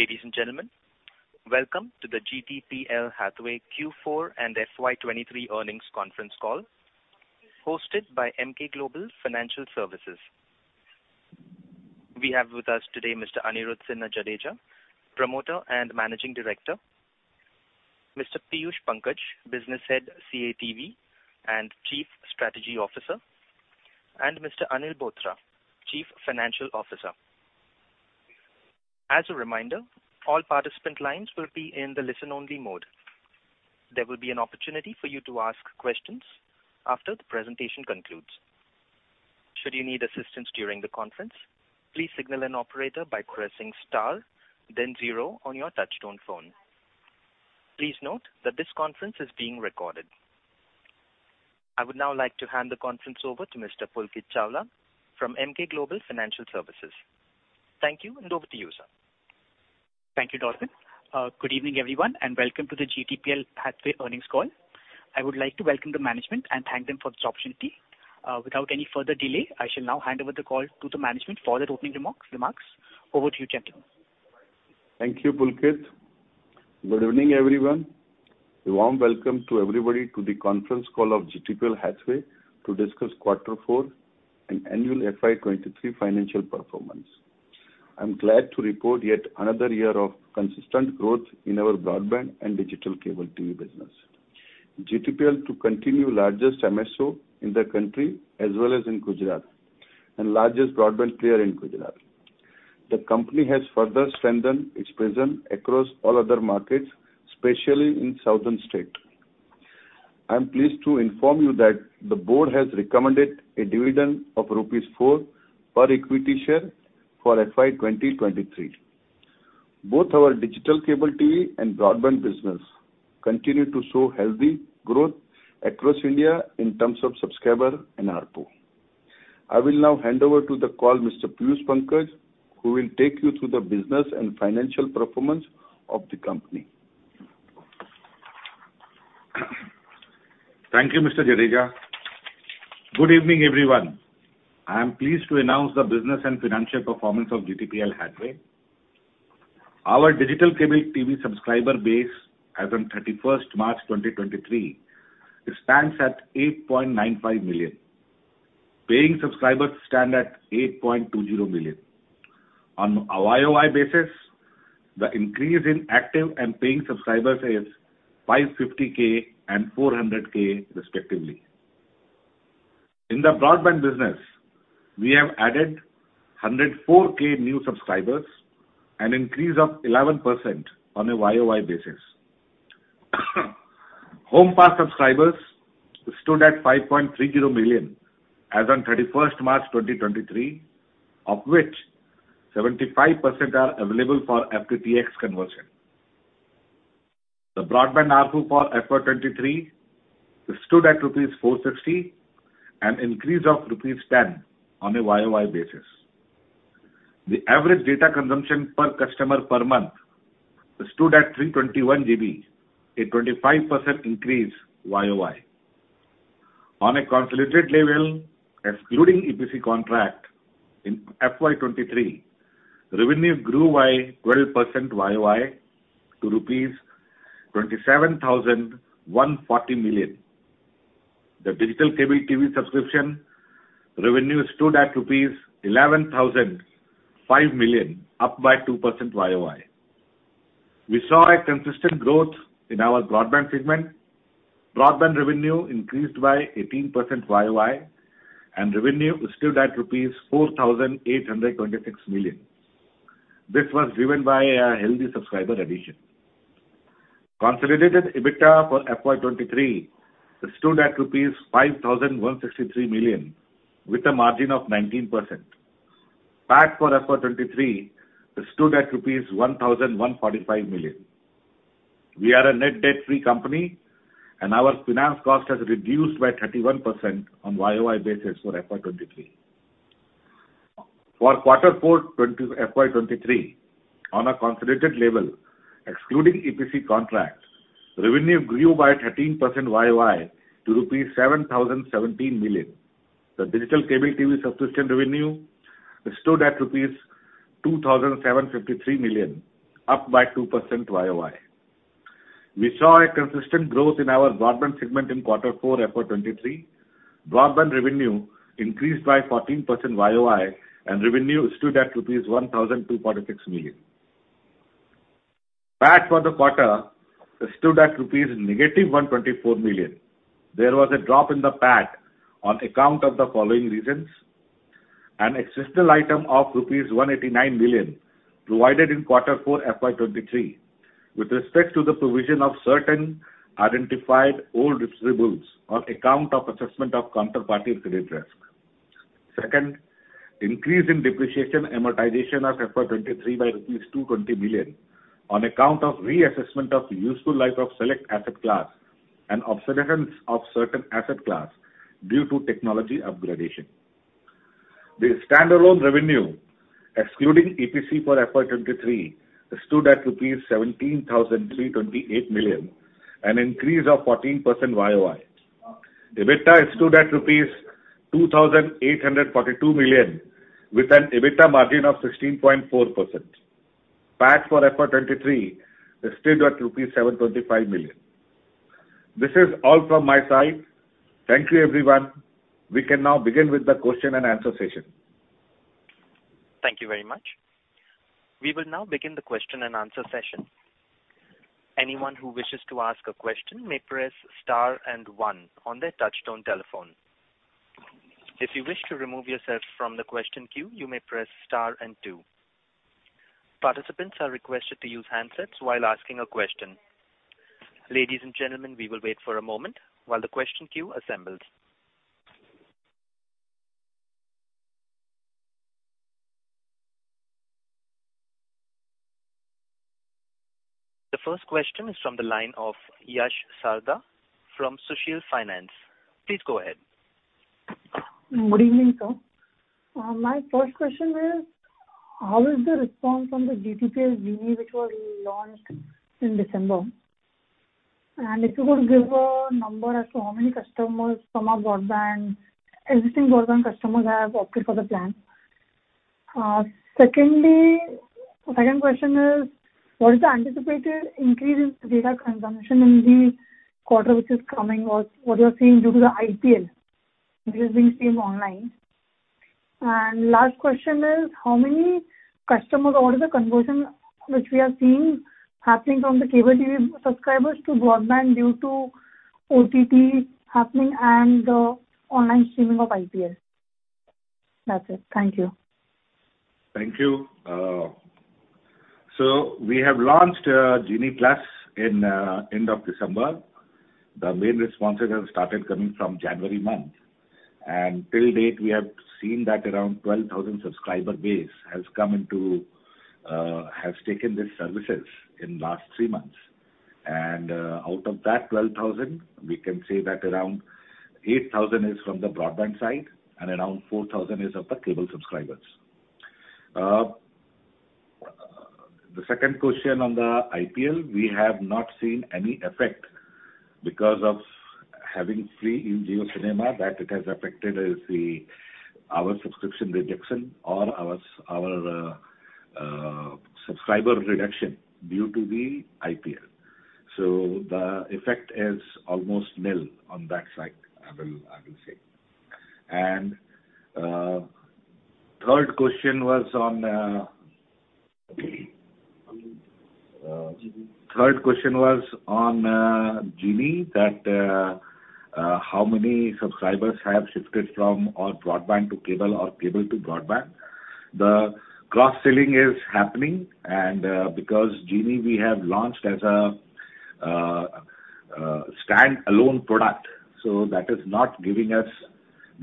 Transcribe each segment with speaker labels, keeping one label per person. Speaker 1: Ladies and gentlemen, welcome to the GTPL Hathway Q4 and FY 2023 Earnings Conference Call, hosted by Emkay Global Financial Services. We have with us today Mr. Anirudhsinh Jadeja, Promoter and Managing Director; Mr. Piyush Pankaj, Business Head, CATV and Chief Strategy Officer; and Mr. Anil Bothra, Chief Financial Officer. As a reminder, all participant lines will be in the listen-only mode. There will be an opportunity for you to ask questions after the presentation concludes. Should you need assistance during the conference, please signal an operator by pressing star then zero on your touchtone phone. Please note that this conference is being recorded. I would now like to hand the conference over to Mr. Pulkit Chawla from Emkay Global Financial Services. Thank you, over to you, sir.
Speaker 2: Thank you, Darwin. Good evening, everyone, welcome to the GTPL Hathway earnings call. I would like to welcome the management and thank them for this opportunity. Without any further delay, I shall now hand over the call to the management for their opening remarks. Over to you, gentlemen.
Speaker 3: Thank you, Pulkit. Good evening, everyone. A warm welcome to everybody to the conference call of GTPL Hathway to discuss Q4 and annual FY 2023 financial performance. I'm glad to report yet another year of consistent growth in our broadband and digital cable TV business. GTPL to continue largest MSO in the country as well as in Gujarat and largest broadband player in Gujarat. The company has further strengthened its presence across all other markets, especially in southern state. I am pleased to inform you that the board has recommended a dividend of rupees 4 per equity share for FY 2023. Both our digital cable TV and broadband business continue to show healthy growth across India in terms of subscriber and ARPU. I will now hand over to the call Mr. Piyush Pankaj, who will take you through the business and financial performance of the company.
Speaker 4: Thank you, Mr. Jadeja. Good evening, everyone. I am pleased to announce the business and financial performance of GTPL Hathway. Our Digital Cable TV subscriber base as on 31st March 2023 stands at 8.95 million. Paying subscribers stand at 8.20 million. On a Y-O-Y basis, the increase in active and paying subscribers is 550K and 400K respectively. In the broadband business, we have added 104K new subscribers, an increase of 11% on a Y-O-Y basis. Home pass subscribers stood at 5.30 million as on 31st March 2023, of which 75% are available for FTTx conversion. The broadband ARPU for FY 2023 stood at rupees 460, an increase of rupees 10 on a Y-O-Y basis. The average data consumption per customer per month stood at 321 GB, a 25% increase Y-O-Y. On a consolidated level, excluding EPC contract in FY 2023, revenue grew by 12% Y-O-Y to rupees 27,140 million. The Digital Cable TV subscription revenue stood at rupees 11,005 million, up by 2% Y-O-Y. We saw a consistent growth in our broadband segment. Broadband revenue increased by 18% Y-O-Y and revenue stood at INR 4,826 million. This was driven by a healthy subscriber addition. Consolidated EBITDA for FY 2023 stood at rupees 5,163 million with a margin of 19%. PAT for FY 2023 stood at rupees 1,145 million. We are a net debt-free company and our finance cost has reduced by 31% on Y-O-Y basis for FY 2023. For quarter four FY 2023, on a consolidated level, excluding EPC contracts, revenue grew by 13% Y-O-Y to rupees 7,017 million. The digital cable TV subscription revenue stood at rupees 2,753 million, up by 2% Y-O-Y. We saw a consistent growth in our broadband segment in quarter four FY 2023. Broadband revenue increased by 14% Y-O-Y and revenue stood at rupees 1,246 million. PAT for the quarter stood at -124 million rupees. There was a drop in the PAT on account of the following reasons. An exceptional item of 189 million rupees provided in quarter four FY 2023 with respect to the provision of certain identified old receivables on account of assessment of counterparty credit risk. Second, increase in depreciation amortization of FY 2023 by 220 million on account of reassessment of useful life of select asset class and obsolescence of certain asset class due to technology upgradation. The standalone revenue excluding EPC for FY 2023, stood at rupees 17,328 million, an increase of 14% Y-O-Y. EBITDA stood at rupees 2,842 million with an EBITDA margin of 16.4%. PAT for FY 2023 stood at INR 725 million. This is all from my side. Thank you, everyone. We can now begin with the question and answer session.
Speaker 1: Thank you very much. We will now begin the question and answer session. Anyone who wishes to ask a question may press star and one on their touchtone telephone. If you wish to remove yourself from the question queue you may press star and two. Participants are requested to use handsets while asking a question. Ladies and gentlemen, we will wait for a moment while the question queue assembles. The first question is from the line of Yash Sarda from Sushil Finance. Please go ahead.
Speaker 5: Good evening, sir. My first question is, how is the response from the GTPL Genie+ which was launched in December? If you could give a number as to how many customers from our broadband, existing broadband customers have opted for the plan? Secondly, second question is, what is the anticipated increase in data consumption in the quarter which is coming or what you are seeing due to the IPL which is being streamed online? Last question is, how many customers or what is the conversion which we are seeing happening from the cable TV subscribers to broadband due to OTT happening and online streaming of IPL? That's it. Thank you.
Speaker 4: Thank you. We have launched GTPL Genie+ in end of December. The main responses have started coming from January month. Till date, we have seen that around 12,000 subscriber base has come into has taken these services in last three months. Out of that 12,000, we can say that around 8,000 is from the broadband side and around 4,000 is of the cable subscribers. The second question on the IPL, we have not seen any effect because of having free in JioCinema that it has affected is the, our subscription reduction or our subscriber reduction due to the IPL. The effect is almost nil on that side, I will say. Third question was on Genie+ that how many subscribers have shifted from our broadband to cable or cable to broadband. The cross-selling is happening because Genie+ we have launched as a standalone product, that is not giving us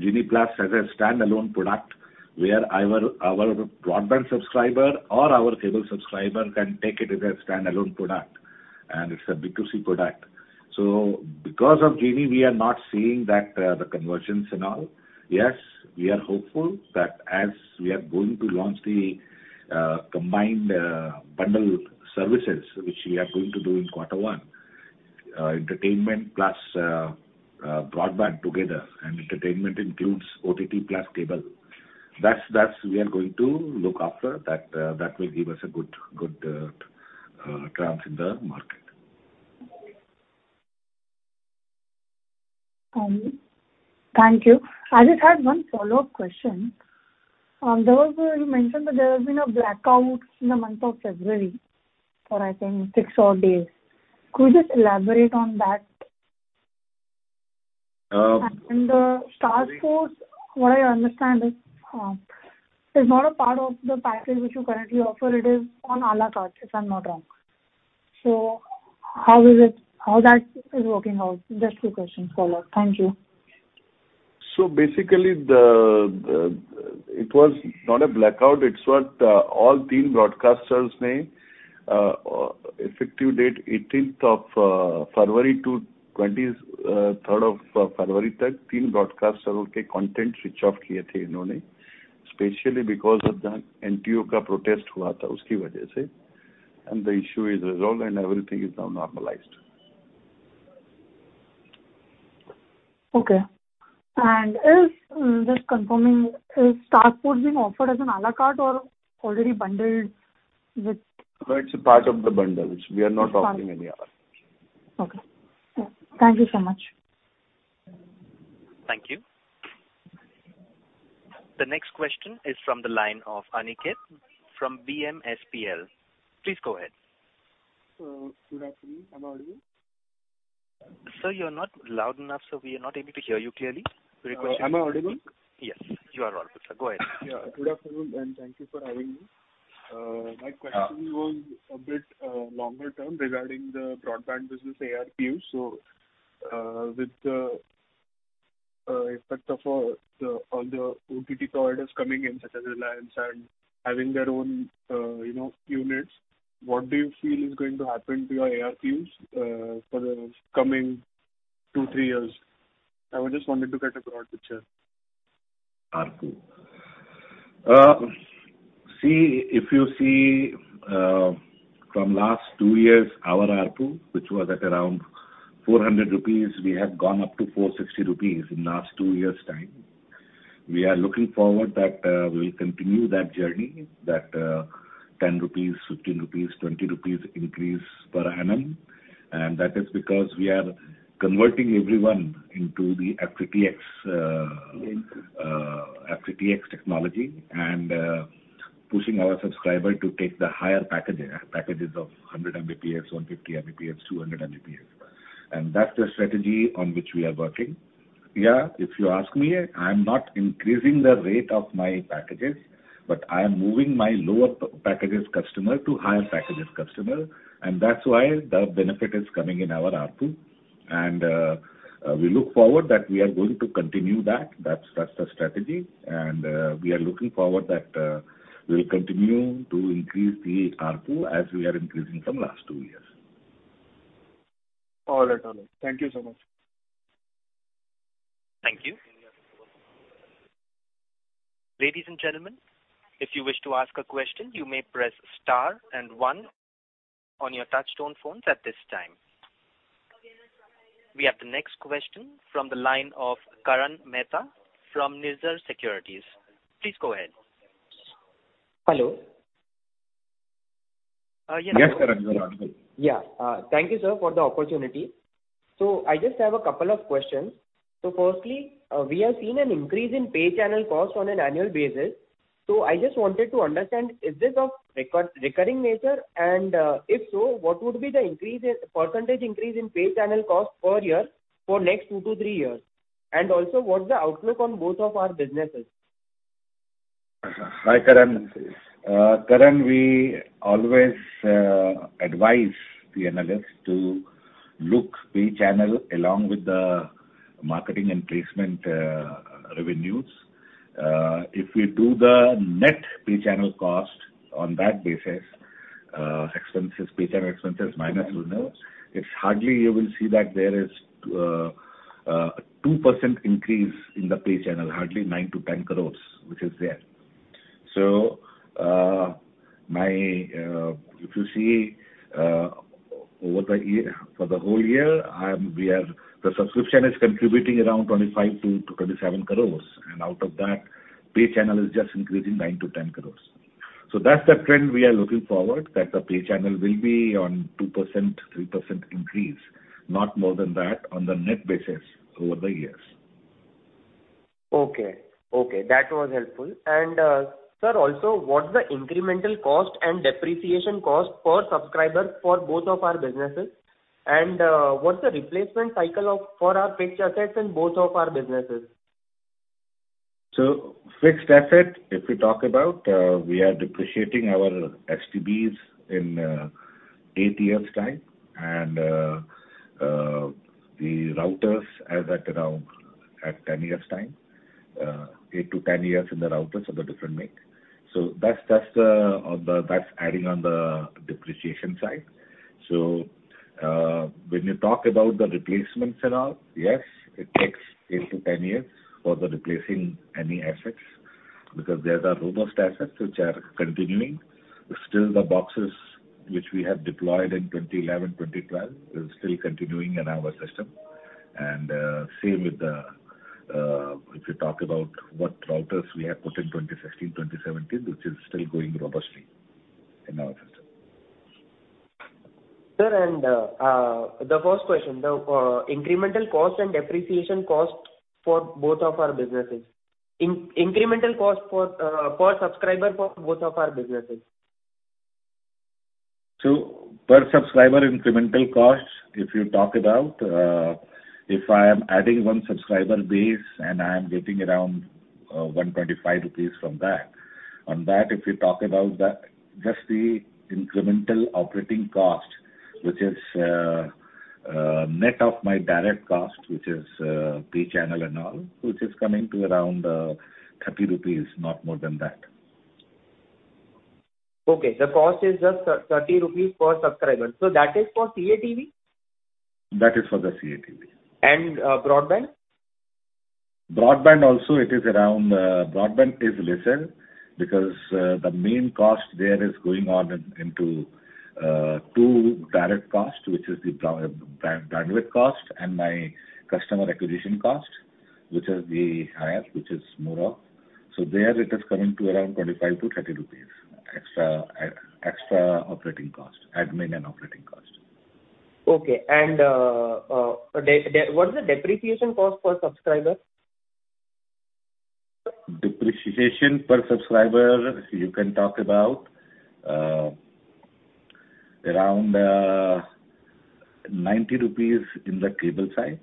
Speaker 4: GTPL Genie+ as a standalone product where either our broadband subscriber or our cable subscriber can take it as a standalone product, it's a B2C product. Because of Genie+ we are not seeing that the conversions and all. Yes, we are hopeful that as we are going to launch the combined bundle services which we are going to do in quarter one, entertainment plus broadband together, entertainment includes OTT plus cable. That's we are going to look after. That, that will give us a good chance in the market.
Speaker 5: Thank you. I just had 1 follow-up question. There was, you mentioned that there has been a blackout in the month of February for, I think six odd days. Could you just elaborate on that? The Star Sports, what I understand is not a part of the package which you currently offer. It is on a la carte, if I'm not wrong. How is it, how that is working out? Just two questions, follow-up. Thank you.
Speaker 4: Basically the, it was not a blackout. It's what all three broadcasters effective date 18th of February to 23rd of February.
Speaker 5: Okay. Is, just confirming, is Star Sports being offered as an a la carte or already bundled with.
Speaker 4: No, it's a part of the bundle, which we are not offering any a la carte.
Speaker 5: Okay. Thank you so much.
Speaker 1: Thank you. The next question is from the line of Aniket from BMSPL. Please go ahead.
Speaker 6: Good afternoon. Am I audible?
Speaker 1: Sir, you're not loud enough, so we are not able to hear you clearly. Your question...
Speaker 6: Am I audible?
Speaker 1: Yes, you are audible, sir. Go ahead.
Speaker 6: Yeah. Good afternoon, and thank you for having me. My question was a bit longer term regarding the broadband business ARPU. With the effect of the all the OTT providers coming in such as Reliance and having their own, you know, units, what do you feel is going to happen to your ARPUs for the coming two to three years? I just wanted to get a broad picture.
Speaker 4: ARPU. See, if you see, from last two years, our ARPU, which was at around 400 rupees, we have gone up to 460 rupees in last two years' time. We are looking forward that we'll continue that journey, that 10 rupees, 15 rupees, 20 rupees increase per annum. That is because we are converting everyone into the FTTx technology and pushing our subscriber to take the higher packages of 100 Mbps, 150 Mbps, 200 Mbps. That's the strategy on which we are working. Yeah, if you ask me, I'm not increasing the rate of my packages, but I am moving my lower packages customer to higher packages customer, and that's why the benefit is coming in our ARPU. We look forward that we are going to continue that. That's the strategy. We are looking forward that, we'll continue to increase the ARPU as we are increasing from last two years.
Speaker 6: All right. All right. Thank you so much.
Speaker 1: Thank you. Ladies and gentlemen, if you wish to ask a question, you may press star 1 on your touchtone phones at this time. We have the next question from the line of Karan Mehta from Nirzar Securities. Please go ahead.
Speaker 7: Hello. Yeah.
Speaker 4: Yes, Karan. You are audible.
Speaker 7: Thank you, sir, for the opportunity. I just have a couple of questions. Firstly, we have seen an increase in pay channel costs on an annual basis. I just wanted to understand, is this of recurring nature? If so, what would be the percentage increase in pay channel cost per year for next two to three years? Also, what's the outlook on both of our businesses?
Speaker 4: Hi, Karan. Karan, we always advise the analysts to look pay channel along with the marketing and placement revenues. If we do the net pay channel cost on that basis, pay channel expenses minus revenue, it's hardly you will see that there is a 2% increase in the pay channel, hardly 9-10 crores, which is there. If you see over the year, for the whole year, the subscription is contributing around 25-27 crores, and out of that, pay channel is just increasing 9-10 crores. That's the trend we are looking forward, that the pay channel will be on 2%, 3% increase, not more than that on the net basis over the years.
Speaker 7: Okay. Okay. That was helpful. Sir, also, what's the incremental cost and depreciation cost per subscriber for both of our businesses? What's the replacement cycle for our fixed assets in both of our businesses?
Speaker 4: Fixed asset, if we talk about, we are depreciating our HDBs in eight years' time and the routers at around 10 years' time. 8-10 years in the routers of the different make. That's the, that's adding on the depreciation side. When you talk about the replacements and all, yes, it takes 8-10 years for the replacing any assets because these are robust assets which are continuing. Still the boxes which we have deployed in 2011, 2012 is still continuing in our system. Same with the, if you talk about what routers we have put in 2016, 2017, which is still going robustly in our system.
Speaker 7: Sir, the first question, the incremental cost and depreciation cost for both of our businesses? incremental cost for per subscriber for both of our businesses?
Speaker 4: Per subscriber incremental costs, if you talk about, if I am adding one subscriber base and I am getting around 125 rupees from that, on that if you talk about the, just the incremental operating cost, which is net of my direct cost, which is pay channel and all, which is coming to around 30 rupees, not more than that.
Speaker 7: Okay. The cost is just 30 rupees per subscriber. That is for CATV?
Speaker 4: That is for the CATV.
Speaker 7: Broadband?
Speaker 4: Broadband also it is around, broadband is lesser because, the main cost there is going on in, into, two direct costs, which is the bandwidth cost and my customer acquisition cost, which is the highest, which is more of. There it is coming to around 25-30 rupees, extra operating cost, admin and operating cost.
Speaker 7: Okay. What is the depreciation cost per subscriber?
Speaker 4: Depreciation per subscriber, you can talk about, around, 90 rupees in the cable side.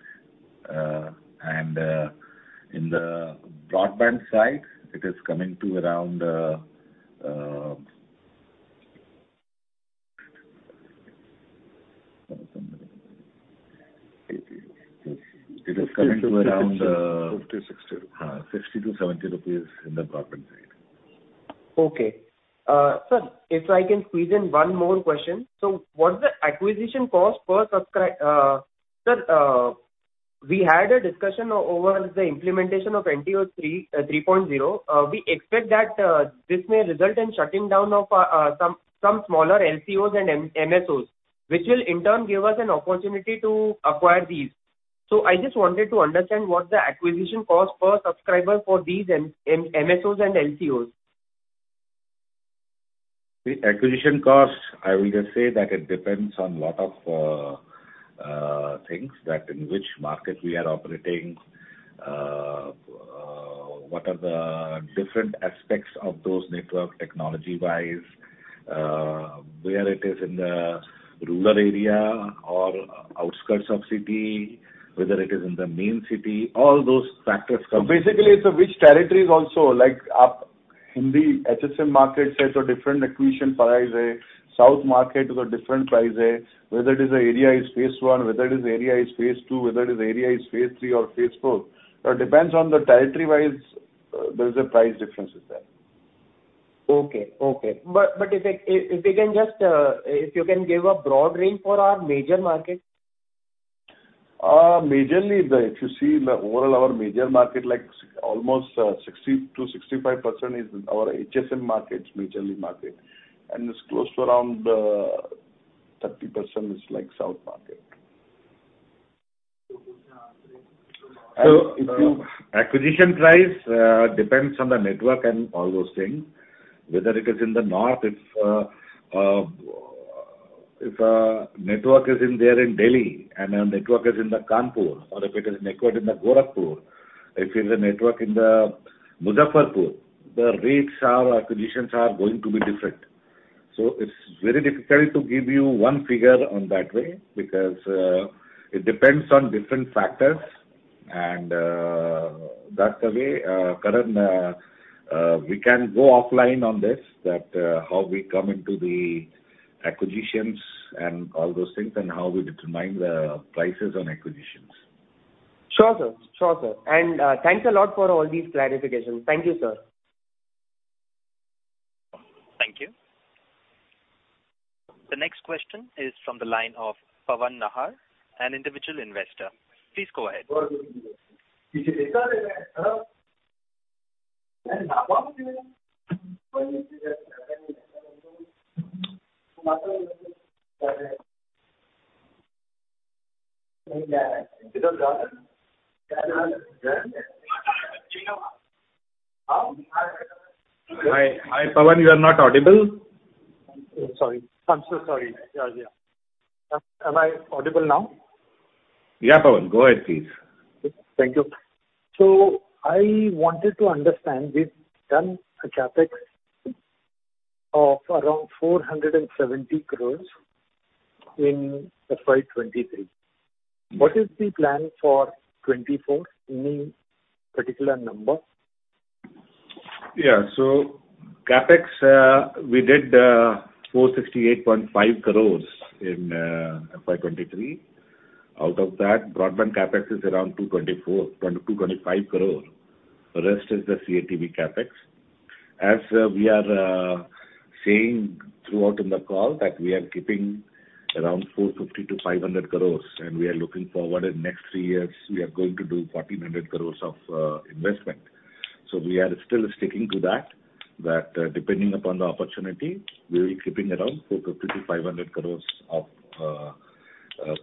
Speaker 4: In the broadband side, it is coming to around. 50, 60. 60-70 rupees in the broadband side.
Speaker 7: Okay. sir, if I can squeeze in one more question. What's the acquisition cost per subscriber? sir, we had a discussion over the implementation of NTO 3.0. We expect that this may result in shutting down of some smaller LCOs and MSOs, which will in turn give us an opportunity to acquire these. I just wanted to understand what the acquisition cost per subscriber for these MSOs and LCOs?
Speaker 4: The acquisition cost, I will just say that it depends on lot of things that in which market we are operating, what are the different aspects of those network technology-wise, where it is in the rural area or outskirts of city, whether it is in the main city, all those factors.
Speaker 7: Basically, sir, which territories also, like up Hindi HSM market set or different acquisition price, south market is a different price, whether it is an area is Phase I, whether it is an area is Phase II, whether it is an area is Phase III or Phase IV. It depends on the territory-wise, there's a price differences there. Okay. Okay. If they can just, if you can give a broad range for our major market.
Speaker 4: Majorly, If you see the overall our major market, like almost 60% to 65% is our HSM markets, majorly market. It's close to around 30% is like south market.
Speaker 7: So if you-
Speaker 4: Acquisition price depends on the network and all those things. Whether it is in the north, if a network is in there in Delhi and a network is in the Kanpur, or if it is network in the Gorakhpur, if it's a network in the Muzaffarpur, the rates are, acquisitions are going to be different. It's very difficult to give you 1 figure on that way because it depends on different factors, that's the way Karan, we can go offline on this, that how we come into the acquisitions and all those things and how we determine the prices on acquisitions.
Speaker 7: Sure, sir. Thanks a lot for all these clarifications. Thank you, sir.
Speaker 1: Thank you. The next question is from the line of Pawan Nahar, an individual investor. Please go ahead.
Speaker 4: Hi. Hi, Pawan. You are not audible.
Speaker 8: Sorry. I'm so sorry. Yeah, yeah. Am I audible now?
Speaker 4: Yeah, Pawan. Go ahead, please.
Speaker 8: Thank you. I wanted to understand, we've done a CapEx of around INR 470 crores in FY 2023. What is the plan for 2024? Any particular number?
Speaker 4: Yeah. CapEx, we did 468.5 crore in FY 2023. Out of that, broadband CapEx is around 225 crore. The rest is the CATV CapEx. We are saying throughout in the call that we are keeping around 450-500 crore, and we are looking forward in next three years, we are going to do 1,400 crore of investment. We are still sticking to that, depending upon the opportunity, we'll be keeping around 450-500 crore of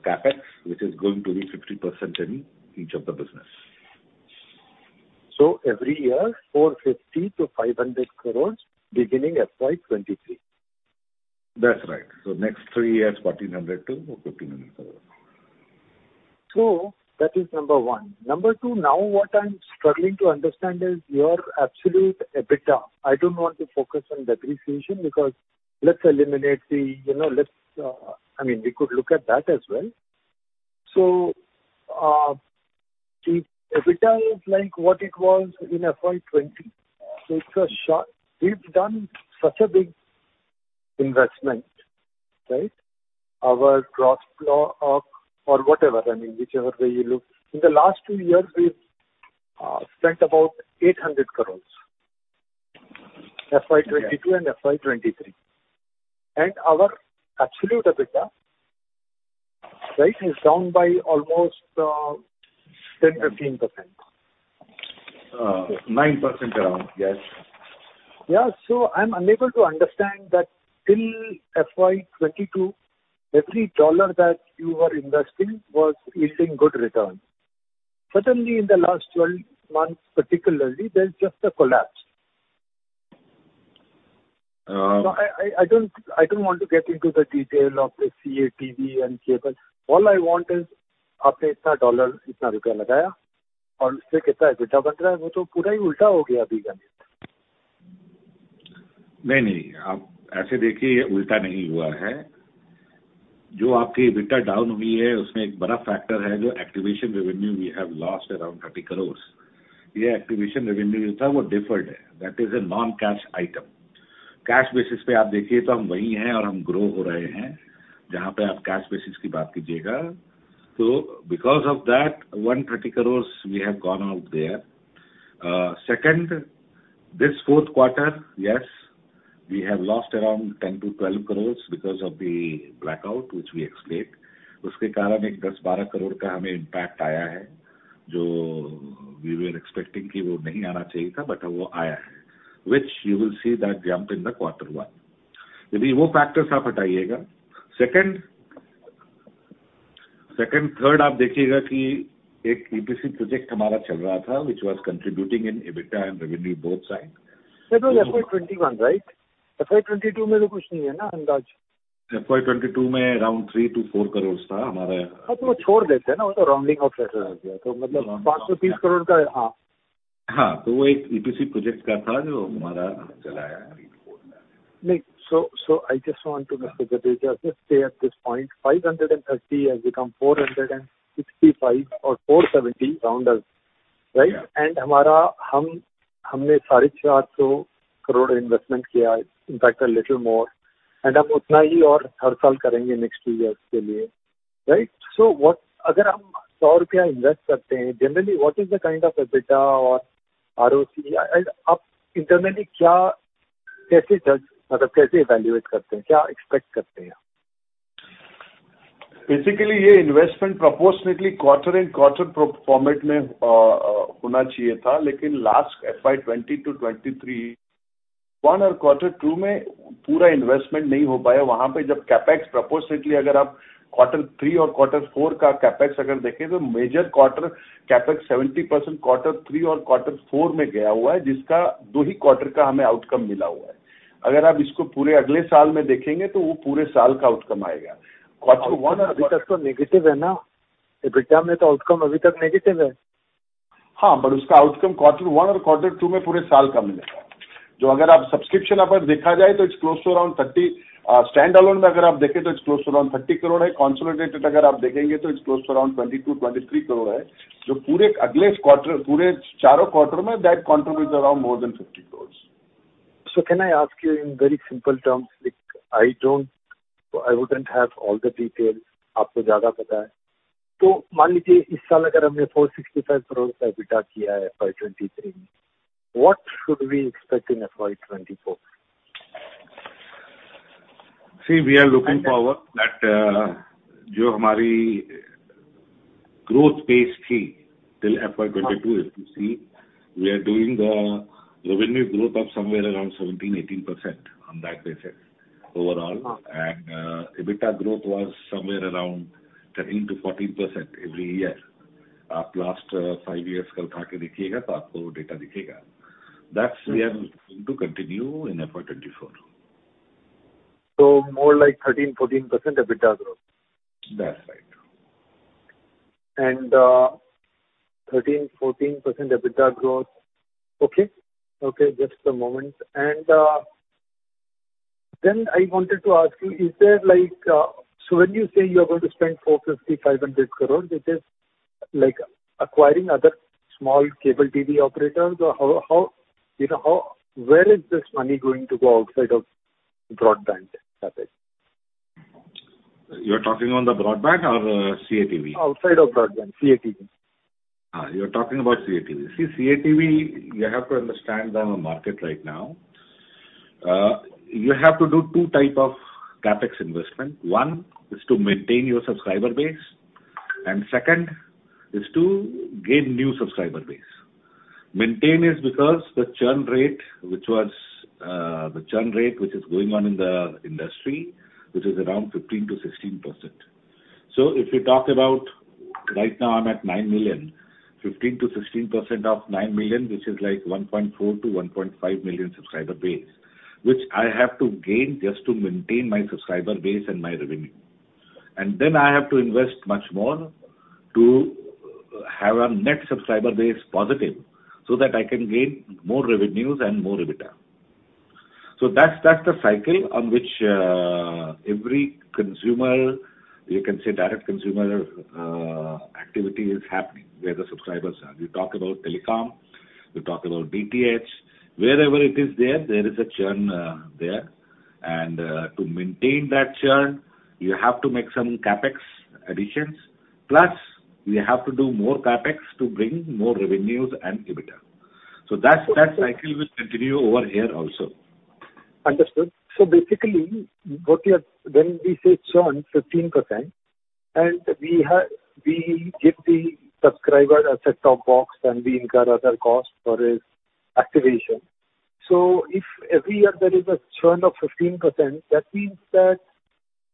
Speaker 4: CapEx, which is going to be 50% in each of the business.
Speaker 8: So every year, 450 crore-500 crore beginning FY 2023.
Speaker 4: That's right. Next three years, 1,400 crore-1,500 crore.
Speaker 8: That is number one. Number two, now what I'm struggling to understand is your absolute EBITDA. I don't want to focus on depreciation because let's eliminate the, you know, let's, I mean, we could look at that as well. If EBITDA is like what it was in FY 2020, it's a sharp. We've done such a big investment, right? Our gross flow up or whatever, I mean, whichever way you look. In the last two years, we've spent about 800 crores, FY 2022 and FY 2023. Our absolute EBITDA, right, is down by almost 10%-15%.
Speaker 4: 9% around, yes.
Speaker 8: Yeah. I'm unable to understand that till FY 2022, every dollar that you are investing was yielding good returns. Suddenly, in the last 12 months, particularly, there's just a collapse. I don't want to get into the detail of the CATV and cable. All I want is
Speaker 4: Nai nahi.
Speaker 8: Nai nahi.
Speaker 4: Aise dekhiye ulta nahi hua hai. Jo aapki EBITDA down hui hai usme ek bada factor hai jo activation revenue we have lost around INR 30 crores. Yeh activation revenue jo tha woh deferred hai. That is a non-cash item. Cash basis पर आप देखिए तो हम वही हैं और हम grow हो रहे हैं जहाँ पर आप cash basis की बात कीजिएगा। because of that 130 crores we have gone out there. Second, this fourth quarter, yes, we have lost around 10 crores-12 crores because of the blackout which we explain. उसके कारण एक INR 10 crores-INR 12 crores का हमें impact आया है जो we were expecting कि वो nahi aana chahiye tha but wo aaya hai which you will see that jump in the quarter one. यदि वो factors आप हटाइएगा। Second, third आप देखिएगा कि एक EPC project हमारा चल रहा था which was contributing in EBITDA and revenue both side.
Speaker 8: That was FY 2021, right? FY 2022 में तो कुछ नहीं है ना अंदाज।
Speaker 4: FY 2022 में around INR 3-4 crores था हमारा.
Speaker 8: हाँ, तो वो छोड़ देते हैं ना. वो तो rounding off ऐसे हो गया. मतलब INR 530 crore का, हाँ.
Speaker 4: हाँ, one EPC project का था जो हमारा चलाया नहीं।
Speaker 8: I just want to Mr. Gandhi just stay at this point 530 has become 465 or 470 round us. हमने INR 450 crore investment किया है। In fact a little more हम उतना ही और हर साल करेंगे next 2 years के लिए। अगर हम INR 100 invest करते हैं generally what is the kind of EBITDA or ROC और आप internally क्या, कैसे judge, मतलब कैसे evaluate करते हैं, क्या expect करते हैं आप?
Speaker 4: Basically यह investment proportionately quarter in quarter pro format में होना चाहिए था। Last FY 2022-2023, quarter one और quarter two में पूरा investment नहीं हो पाया। वहां पर जब CapEx proportionately अगर आप quarter three और quarter four का CapEx अगर देखें तो major quarter CapEx 70% quarter three और quarter four में गया हुआ है जिसका दो ही quarter का हमें outcome मिला हुआ है। अगर आप इसको पूरे अगले साल में देखेंगे तो वह पूरे साल का outcome आएगा। Quarter one-
Speaker 8: अभी तक तो negative है ना? EBITDA में तो outcome अभी तक negative है।
Speaker 4: उसका outcome quarter one और quarter two में पूरे साल का मिलेगा. अगर आप subscription पर देखा जाए तो it's close to around 30 stand alone में अगर आप देखें तो it's close to around INR 30 crore है. Consolidated अगर आप देखेंगे तो it's close to around INR 22-23 crore है जो पूरे चारों quarter में that contribute around more than INR 50 crore.
Speaker 8: Can I ask you in very simple terms like I wouldn't have all the details. आपको ज्यादा पता है। तो मान लीजिए इस साल अगर हमने INR 465 crore का EBITDA किया है FY 2023 में। What should we expect in FY 2024?
Speaker 4: See, we are looking forward that जो हमारी growth pace थी till FY 2022 if you see we are doing the revenue growth of somewhere around 17%-18% on that basis overall and EBITDA growth was somewhere around 13%-14% every year. आप last 5 years का निकाल कर देखिएगा तो आपको data दिखेगा। That we are looking to continue in FY 2024.
Speaker 8: More like 13%-14% EBITDA growth.
Speaker 4: That's right.
Speaker 8: 13%-14% EBITDA growth. Okay, just a moment. I wanted to ask you, is there like so when you say you are going to spend 450-500 crore which is like acquiring other small cable TV operators or how you know, how, where is this money going to go outside of broadband CapEx?
Speaker 4: You are talking on the broadband or CATV?
Speaker 8: Outside of broadband, CATV.
Speaker 4: You are talking about CATV. CATV you have to understand the market right now. You have to do two type of CapEx investment. One is to maintain your subscriber base and second is to gain new subscriber base. Maintain is because the churn rate which is going on in the industry which is around 15%-16%. If you talk about right now I'm at nine million, 15%-16% of 9 million which is like 1.4 million-1.5 million subscriber base which I have to gain just to maintain my subscriber base and my revenue. I have to invest much more to have a net subscriber base positive so that I can gain more revenues and more EBITDA. That's the cycle on which every consumer you can say direct consumer activity is happening where the subscribers are. You talk about telecom, you talk about DTH, wherever it is there is a churn there. To maintain that churn, you have to make some CapEx additions. Plus you have to do more CapEx to bring more revenues and EBITDA. That cycle will continue over here also.
Speaker 8: Understood. Basically what you are when we say churn 15% and we give the subscriber a set-top box and we incur other cost for his activation. If every year there is a churn of 15%, that means that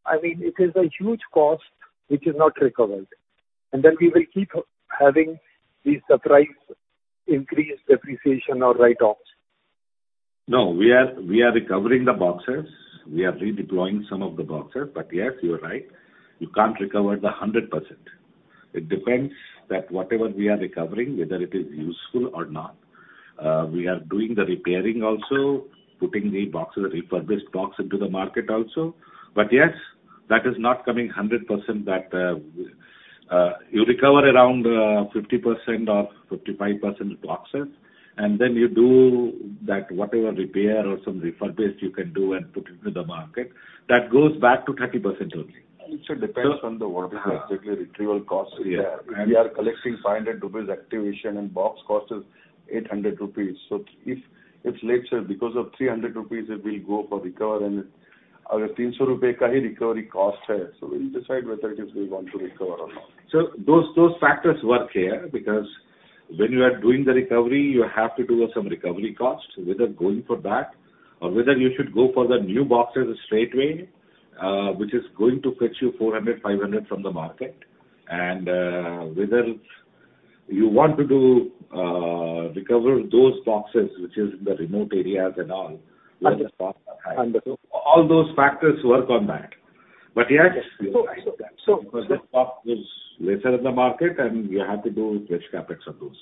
Speaker 8: I mean, it is a huge cost which is not recovered. We will keep having these surprise increase depreciation or write-offs.
Speaker 4: No, we are recovering the boxes. We are redeploying some of the boxes. Yes, you are right. You can't recover the 100%. It depends that whatever we are recovering, whether it is useful or not. We are doing the repairing also, putting the boxes, refurbished box into the market also. Yes, that is not coming 100% that you recover around 50% or 55% boxes, and then you do that whatever repair or some refurbished you can do and put into the market, that goes back to 30% only. It should depends on the work particularly retrieval costs we have. We are collecting 500 rupees activation and box cost is 800 rupees. If let's say because of 300 rupees it will go for recover and our 300 rupees recovery cost, so we'll decide whether it is we want to recover or not. Those factors work here because when you are doing the recovery, you have to do some recovery costs, whether going for that or whether you should go for the new boxes straightway, which is going to fetch you 400, 500 from the market. Whether you want to do, recover those boxes which is in the remote areas and all. All those factors work on that. Yes, because the stock is lesser in the market, and you have to do fresh CapEx on those.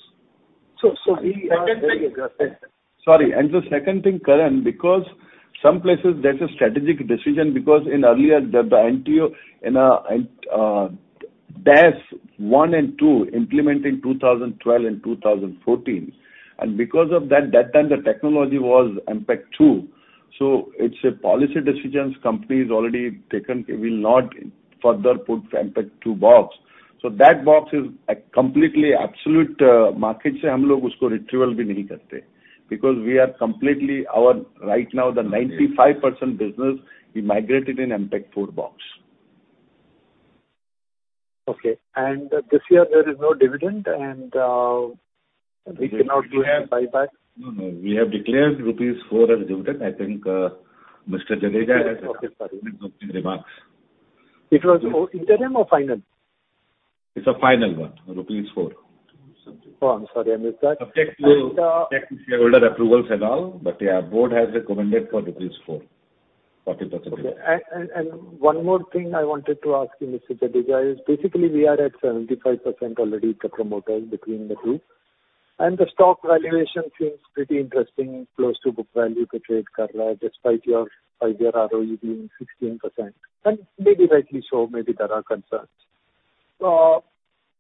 Speaker 8: The second thing.
Speaker 4: Sorry. The second thing, Pawan, because some places there's a strategic decision because in earlier the NTO in DAS 1 and 2 implement in 2012 and 2014. Because of that time the technology was MPEG-2. It's a policy decisions company has already taken. We'll not further put MPEG-2 box. That box is a completely absolute market because we are completely. Right now the 95% business we migrated in MPEG-4 box.
Speaker 8: Okay. This year there is no dividend and, we cannot do any buyback.
Speaker 4: No, no. We have declared rupees 4 as dividend. I think Mr. Jadeja has in his remarks.
Speaker 8: It was interim or final?
Speaker 4: It's a final one, rupees 4.
Speaker 8: Oh, I'm sorry. I missed that.
Speaker 4: Subject to shareholder approvals and all, yeah, board has recommended for 4. 40%.
Speaker 8: One more thing I wanted to ask you, Mr. Jadeja, is basically we are at 75% already the promoters between the two. The stock valuation seems pretty interesting, close to book value despite your five-year ROE being 16%. Maybe rightly so, maybe there are concerns.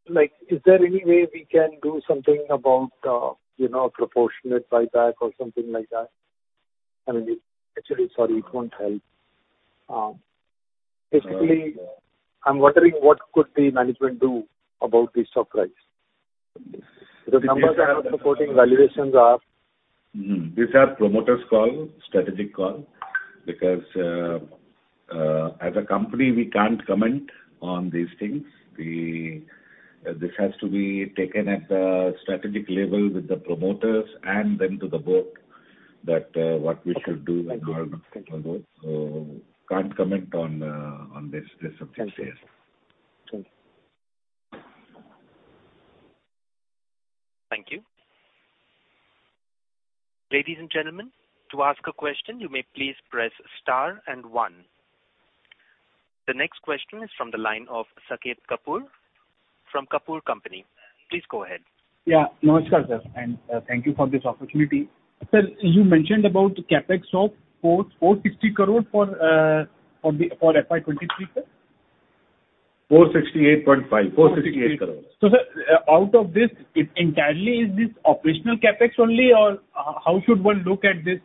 Speaker 8: Like, is there any way we can do something about, you know, a proportionate buyback or something like that? I mean, actually, sorry, it won't help. Basically, I'm wondering what could the management do about the stock price? The numbers are not supporting, valuations are.
Speaker 3: These are promoters call, strategic call, because as a company, we can't comment on these things. This has to be taken at the strategic level with the promoters and then to the board that what we should do. Can't comment on this subject, yes.
Speaker 8: Thank you.
Speaker 1: Thank you. Ladies and gentlemen, to ask a question, you may please press star and one. The next question is from the line of Saket Kapoor from Kapoor Company. Please go ahead.
Speaker 9: Yeah. Thank you for this opportunity. Sir, you mentioned about CapEx of 460 crore for FY 2S23, sir.
Speaker 4: 468.5. INR 468 crore.
Speaker 9: Sir, out of this, entirely is this operational CapEx only, or how should one look at this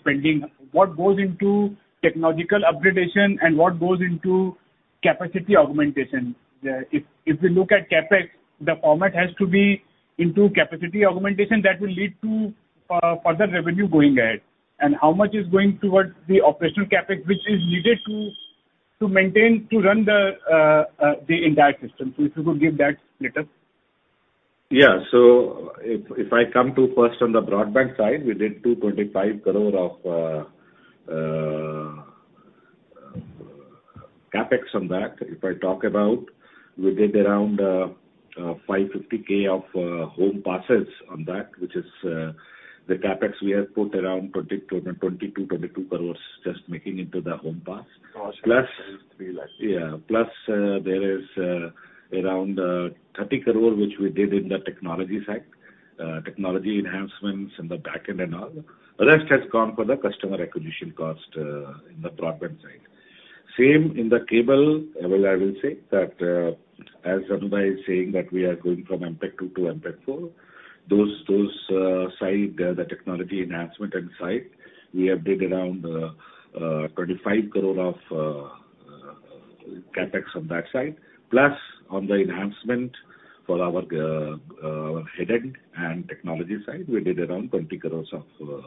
Speaker 9: spending? What goes into technological upgradation and what goes into capacity augmentation? If, if we look at CapEx, the format has to be into capacity augmentation that will lead to further revenue going ahead. How much is going towards the operational CapEx which is needed to maintain, to run the entire system. If you could give that split up.
Speaker 4: Yeah. If I come to first on the broadband side, we did 225 crore of CapEx on that. If I talk about, we did around 550 K of home passes on that, which is the CapEx we have put around 22 crores just making into the home pass.
Speaker 9: Cost
Speaker 4: Plus, yeah. Plus, there is around 30 crore which we did in the technology side, technology enhancements in the back end and all. The rest has gone for the customer acquisition cost in the broadband side. Same in the cable. Well, I will say that as Anubhai is saying that we are going from MPEG-2 to MPEG-4. Those side, the technology enhancement and side, we have did around 25 crore of CapEx on that side. Plus on the enhancement for our headend and technology side, we did around 20 crore of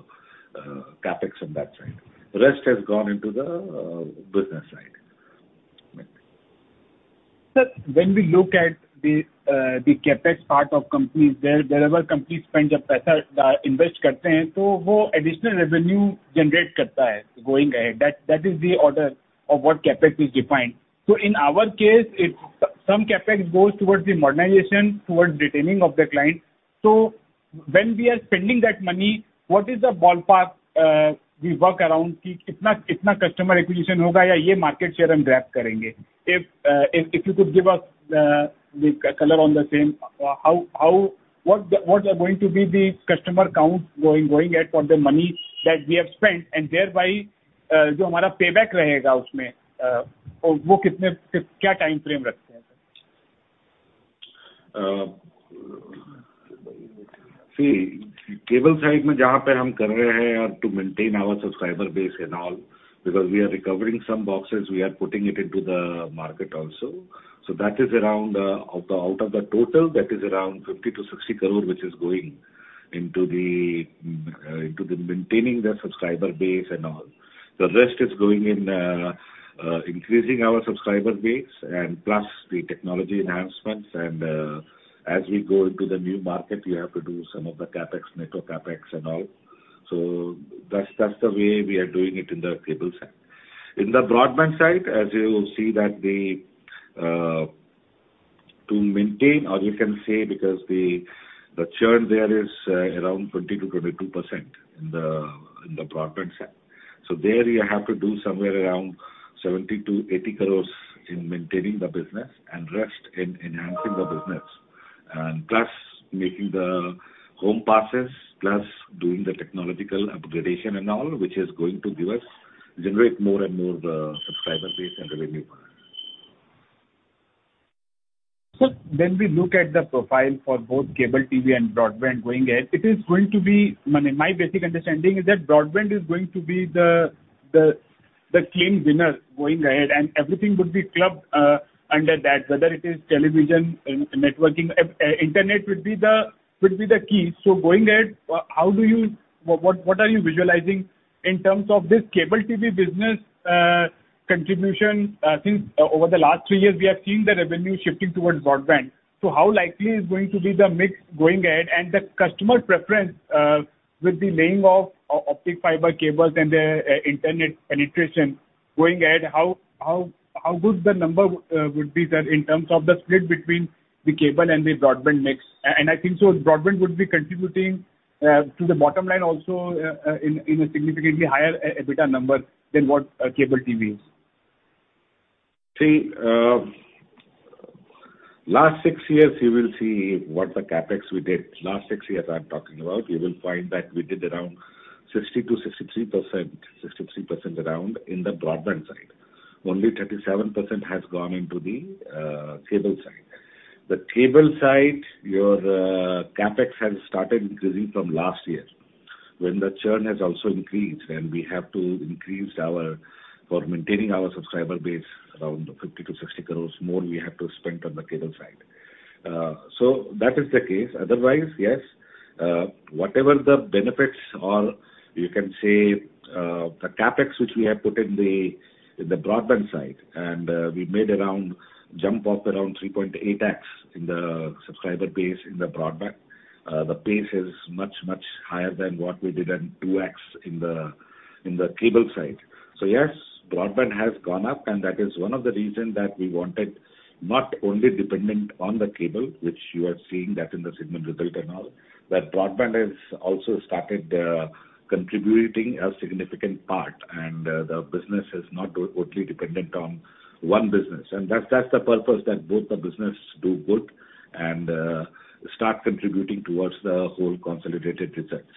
Speaker 4: CapEx on that side. Rest has gone into the business side.
Speaker 9: Sir, when we look at the CapEx part of companies, there, wherever companies spend invest, so additional revenue generate going ahead. That is the order of what CapEx is defined. In our case, Some CapEx goes towards the modernization, towards retaining of the client. When we are spending that money, what is the ballpark we work around? customer acquisition market share and grab. If you could give us the color on the same, how What are going to be the customer count going ahead for the money that we have spent and thereby, payback timeframe?
Speaker 4: See, cable side ienia pa ham kar rahe hai to maintain our subscriber base and all because we are recovering some boxes, we are putting it into the market also. That is around, out of the total, that is around 50 crore-60 crore, which is going into the maintaining the subscriber base and all. The rest is going in, increasing our subscriber base and plus the technology enhancements. As we go into the new market, we have to do some of the CapEx, network CapEx and all. That's, that's the way we are doing it in the cable side. In the broadband side, as you will see that the to maintain or you can say because the churn there is around 20%-22% in the broadband side. There you have to do somewhere around 70-80 crores in maintaining the business and rest in enhancing the business. Plus making the home passes, plus doing the technological upgradation and all, which is going to give us generate more and more the subscriber base and the revenue.
Speaker 9: When we look at the profile for both cable TV and broadband going ahead, it is going to be My basic understanding is that broadband is going to be the clean winner going ahead, and everything would be clubbed under that, whether it is television, networking. Internet would be the key. Going ahead, how do you What are you visualizing in terms of this cable TV business contribution? Since over the last three years, we have seen the revenue shifting towards broadband. How likely is going to be the mix going ahead and the customer preference, with the laying of optic fiber cables and the internet penetration going ahead, how good the number would be there in terms of the split between the cable and the broadband mix? I think so broadband would be contributing to the bottom line also, in a significantly higher EBITDA number than what cable TV is.
Speaker 4: Last six years you will see what the CapEx we did. Last six years I'm talking about, you will find that we did around 60%-63% around in the broadband side. Only 37% has gone into the cable side. Cable side, your CapEx has started increasing from last year when the churn has also increased and For maintaining our subscriber base around 50 crores-60 crores more we have to spend on the cable side. That is the case. Yes, whatever the benefits are, you can say, the CapEx which we have put in the broadband side, and we made around jump of around 3.8x in the subscriber base in the broadband. The pace is much higher than what we did in 2x in the cable side. Yes, broadband has gone up, and that is one of the reason that we wanted, not only dependent on the cable, which you are seeing that in the segment result and all. Broadband has also started contributing a significant part. The business is not only dependent on one business. That's the purpose that both the business do good and start contributing towards the whole consolidated results.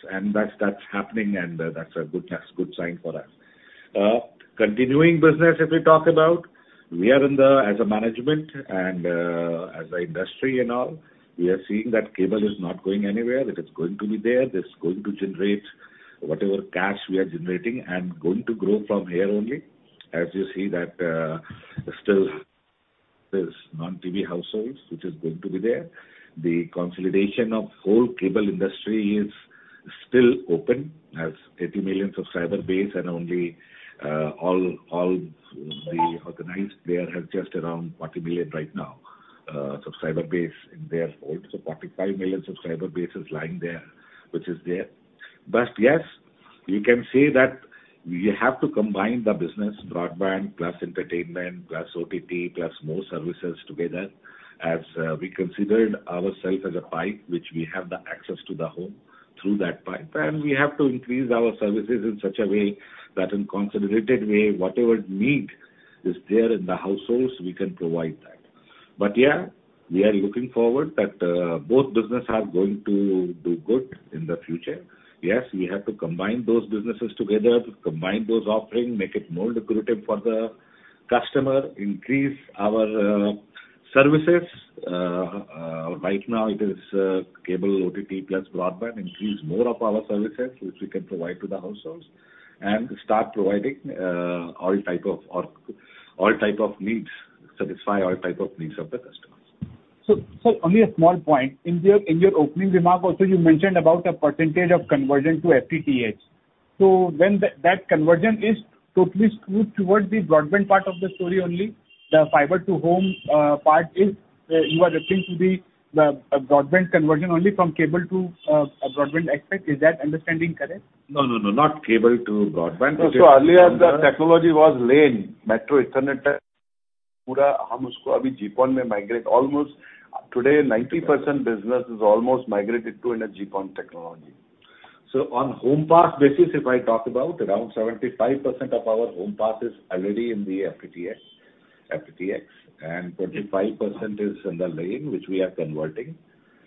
Speaker 4: That's happening and that's a good sign for us. Continuing business, if we talk about, we are in the... As a management and as an industry and all, we are seeing that cable is not going anywhere, that it's going to be there. This is going to generate whatever cash we are generating and going to grow from here only. You see that, still there's non-TV households which is going to be there. The consolidation of whole cable industry is still open. Has 80 million subscriber base and only, all the organized player have just around 40 million right now, subscriber base in their fold. 45 million subscriber base is lying there, which is there. Yes, you can say that you have to combine the business, broadband plus entertainment plus OTT plus more services together. We considered ourselves as a pipe, which we have the access to the home through that pipe, and we have to increase our services in such a way that in consolidated way, whatever need is there in the households, we can provide that. We are looking forward that both business are going to do good in the future. Yes, we have to combine those businesses together, combine those offering, make it more lucrative for the customer, increase our services. Right now it is cable OTT plus broadband. Increase more of our services which we can provide to the households and start providing all type of or all type of needs, satisfy all type of needs of the customers.
Speaker 9: Only a small point. In your opening remark also you mentioned about a percentage of conversion to FTTH. When that conversion is totally skewed towards the broadband part of the story only, the fiber to home part is you are referring to the broadband conversion only from cable to a broadband aspect. Is that understanding correct?
Speaker 4: No, no, not cable to broadband. Earlier the technology was LAN, Metro Ethernet pura ham usko abhi GPON main migrate. Almost today 90% business is almost migrated to in a GPON technology. On home pass basis, if I talk about around 75% of our home passes already in the FTTx, and 25% is in the LAN which we are converting.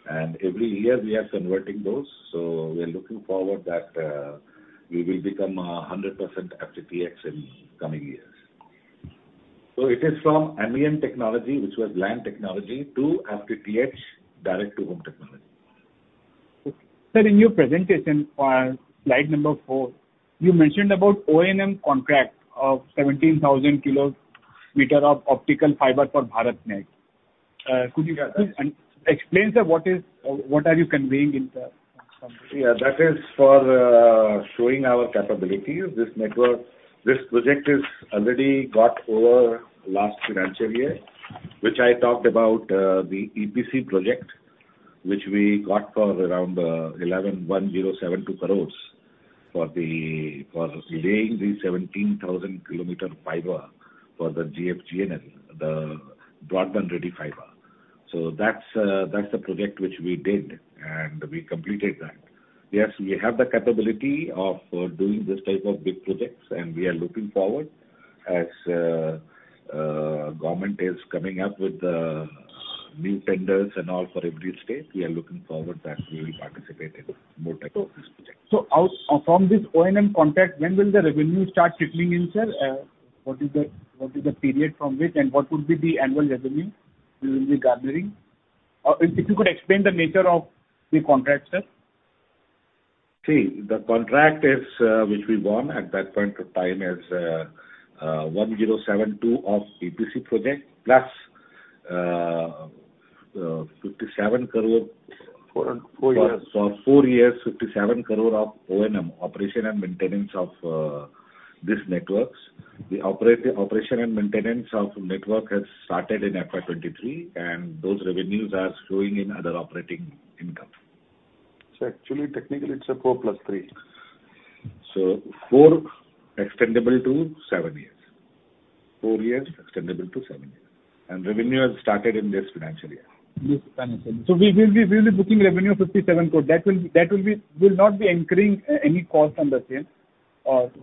Speaker 4: Every year we are converting those. We are looking forward that we will become a 100% FTTx in coming years. It is from ambient technology, which was LAN technology to FTTx direct to home technology.
Speaker 9: Okay. Sir, in your presentation on slide four, you mentioned about O&M contract of 17,000 km of optical fiber for BharatNet. Could you explain, sir, what are you conveying in that contract?
Speaker 4: Yeah, that is for showing our capabilities. This project is already got over last financial year, which I talked about the EPC project, which we got for around 1,072 crores for laying the 17,000 km fiber for the GFGNL, the broadband-ready fiber. That's the project which we did, and we completed that. Yes, we have the capability of doing this type of big projects, and we are looking forward as government is coming up with new tenders and all for every state. We are looking forward that we will participate in more type of this project.
Speaker 9: From this O&M contract, when will the revenue start trickling in, sir? What is the period from which, what would be the annual revenue you will be gathering? If you could explain the nature of the contract, sir.
Speaker 4: The contract is which we won at that point of time is 1,072 of EPC project, plus INR 57 crore.
Speaker 9: For four years.
Speaker 4: For four years, 57 crore of O&M, operation and maintenance of these networks. The operation and maintenance of network has started in FY 2023, those revenues are showing in other operating income.
Speaker 9: Actually, technically, it's a four plus three.
Speaker 4: Four extendable to seven years. Four years extendable to seven years. Revenue has started in this financial year.
Speaker 9: Yes. We will be booking revenue 57 crore. We'll not be incurring any cost on the same,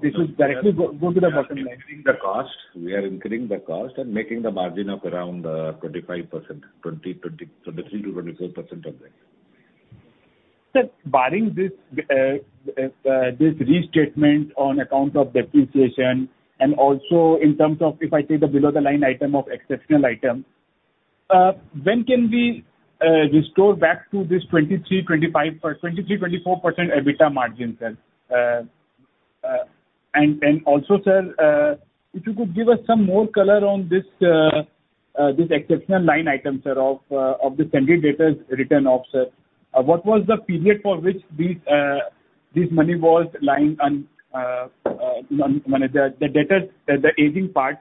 Speaker 9: this will directly go to the bottom line.
Speaker 4: We are incurring the cost and making the margin of around, 25%. The 3%-24% of that.
Speaker 9: Sir, barring this restatement on account of depreciation and also in terms of, if I say the below the line item of exceptional item, when can we restore back to this 23%-24% EBITDA margin, sir? And also, sir, if you could give us some more color on this exceptional line item, sir, of the sundry debtors written off, sir. What was the period for which these money was lying on the debtors, the aging part,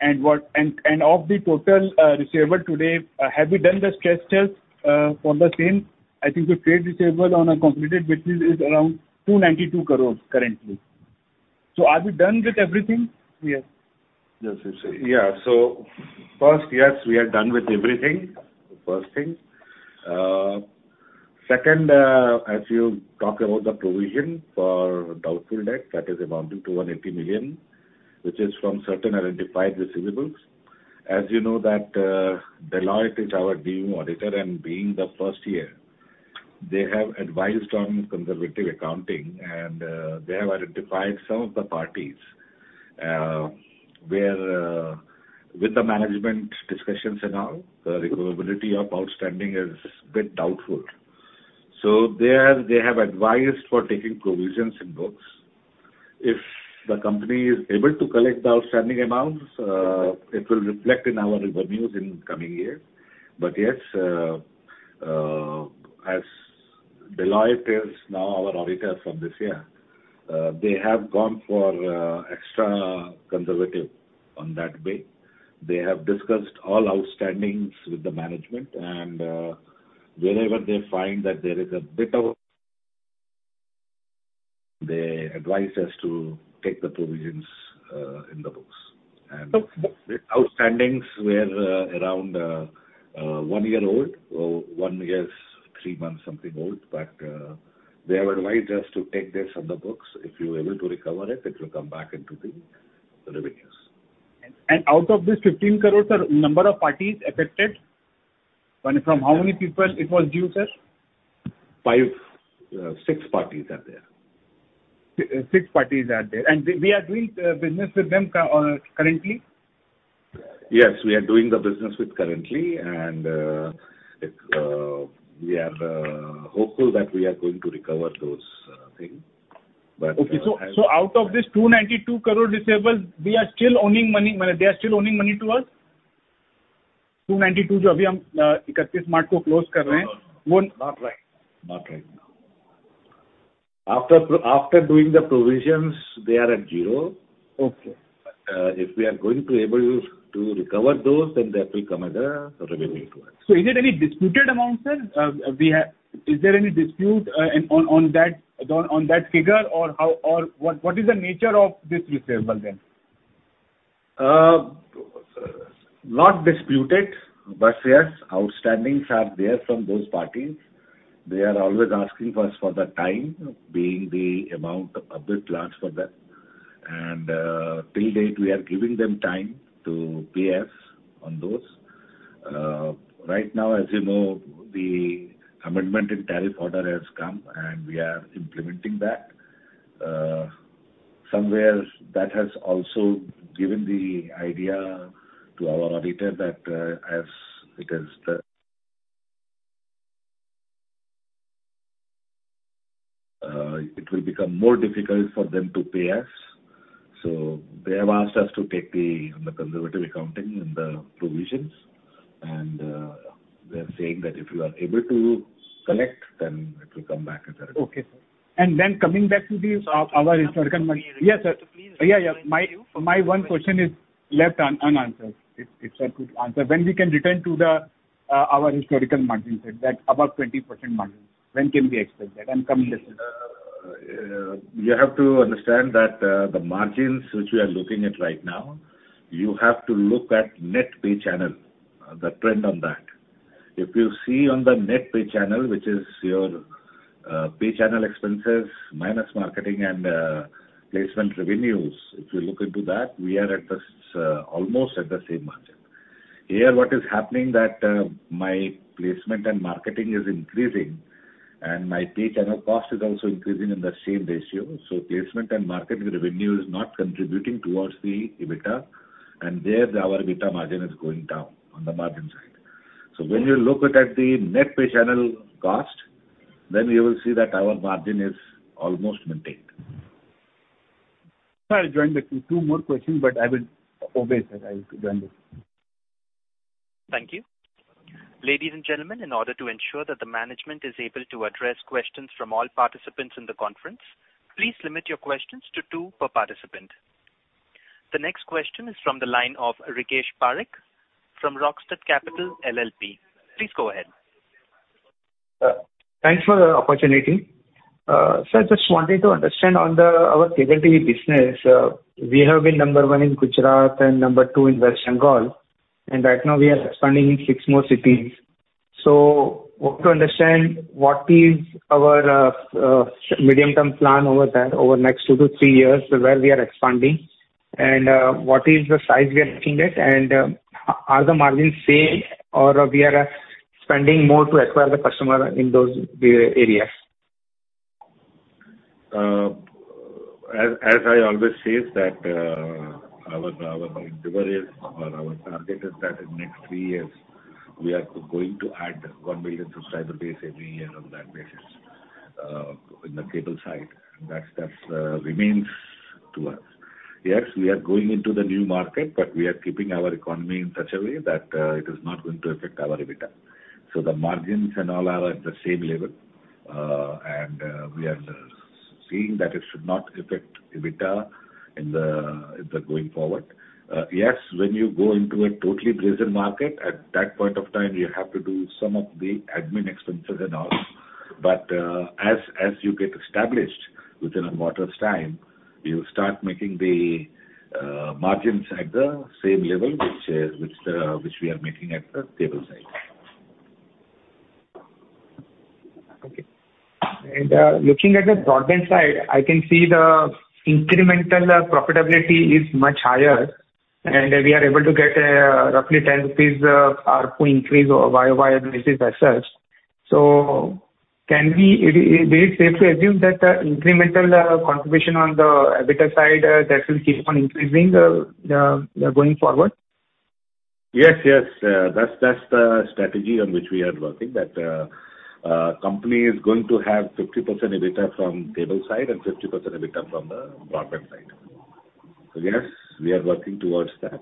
Speaker 9: and of the total receivable today, have you done the stress test on the same? I think the trade receivable on our completed business is around 292 crore currently. Are we done with everything here?
Speaker 4: Yes, yes. First, yes, we are done with everything. The first thing. Second, as you talk about the provision for doubtful debt, that is amounting to 180 million, which is from certain identified receivables. As you know that Deloitte is our new auditor, and being the first year, they have advised on conservative accounting, and they have identified some of the parties, where with the management discussions and all, the recoverability of outstanding is a bit doubtful. There they have advised for taking provisions in books. If the company is able to collect the outstanding amounts, it will reflect in our revenues in coming year. Yes, as Deloitte is now our auditor from this year, they have gone for extra conservative on that bit. They have discussed all outstandings with the management and, wherever they find that there is a bit of they advise us to take the provisions, in the books. The outstandings were around one year old or one year, three months, something old. They have advised us to take this on the books. If you're able to recover it will come back into the revenues.
Speaker 9: Out of this 15 crores, sir, number of parties affected? From how many people it was due, sir?
Speaker 4: Five, six parties are there.
Speaker 9: Six parties are there. We are doing business with them currently?
Speaker 4: Yes, we are doing the business with currently, and it's, we are hopeful that we are going to recover those things.
Speaker 9: Out of this 292 crore receivables, I mean, they are still owning money to us? 292
Speaker 4: Not right, not right now. After doing the provisions, they are at zero.
Speaker 9: Okay.
Speaker 4: If we are going to able use to recover those, then that will come as a revenue to us.
Speaker 9: Is it any disputed amount, sir? Is there any dispute on that figure or what is the nature of this receivable then?
Speaker 4: Not disputed, yes, outstandings are there from those parties. They are always asking us for the time being the amount of the plots for that. Till date, we are giving them time to pay us on those. Right now, as you know, the amendment in tariff order has come, and we are implementing that. Somewhere that has also given the idea to our auditor that, as it is, it will become more difficult for them to pay us. They have asked us to take the conservative accounting and the provisions, they are saying that if you are able to collect, then it will come back as a.
Speaker 9: Okay. Then coming back to the, our.
Speaker 1: Sir, please.
Speaker 9: Yes, sir.
Speaker 1: Please
Speaker 9: Yeah. My one question is left unanswered. It's a good answer. When we can return to the our historical margin, sir, that above 20% margin, when can we expect that?
Speaker 4: You have to understand that the margins which we are looking at right now, you have to look at net pay channel, the trend on that. If you see on the net pay channel, which is your pay channel expenses minus marketing and placement revenues, if you look into that, we are almost at the same margin. Here, what is happening that my placement and marketing is increasing and my pay channel cost is also increasing in the same ratio. Placement and marketing revenue is not contributing towards the EBITDA, and there our EBITDA margin is going down on the margin side. When you look at the net pay channel cost, you will see that our margin is almost maintained.
Speaker 9: I have joined with two more questions, but I will obey, sir. I will join this.
Speaker 1: Thank you. Ladies and gentlemen, in order to ensure that the management is able to address questions from all participants in the conference, please limit your questions to two per participant. The next question is from the line of Rikesh Parikh from Rockstud Capital LLP. Please go ahead.
Speaker 10: Thanks for the opportunity. Sir, just wanted to understand on the, our cable TV business, we have been number one in Gujarat and number two in West Bengal, and right now we are expanding in six more cities. Want to understand what is our, medium-term plan over there over the next two to three years where we are expanding and, what is the size we are looking at, and, are the margins same or we are spending more to acquire the customer in those areas?
Speaker 4: As I always say, our delivery is or our target is that in next three years we are going to add one million subscriber base every year on that basis in the cable side. That remains to us. Yes, we are going into the new market, but we are keeping our economy in such a way that it is not going to affect our EBITDA. The margins and all are at the same level. We are seeing that it should not affect EBITDA in the going forward. Yes, when you go into a totally brazen market, at that point of time you have to do some of the admin expenses and all. As you get established within a matter of time, you start making the margins at the same level which we are making at the cable side.
Speaker 10: Okay. Looking at the broadband side, I can see the incremental profitability is much higher, and we are able to get, roughly 10 rupees, ARPU increase year-over-year basis as such. Is it safe to assume that the incremental contribution on the EBITDA side that will keep on increasing going forward?
Speaker 4: Yes, that's the strategy on which we are working, that our company is going to have 50% EBITDA from cable side and 50% EBITDA from the broadband side. Yes, we are working towards that.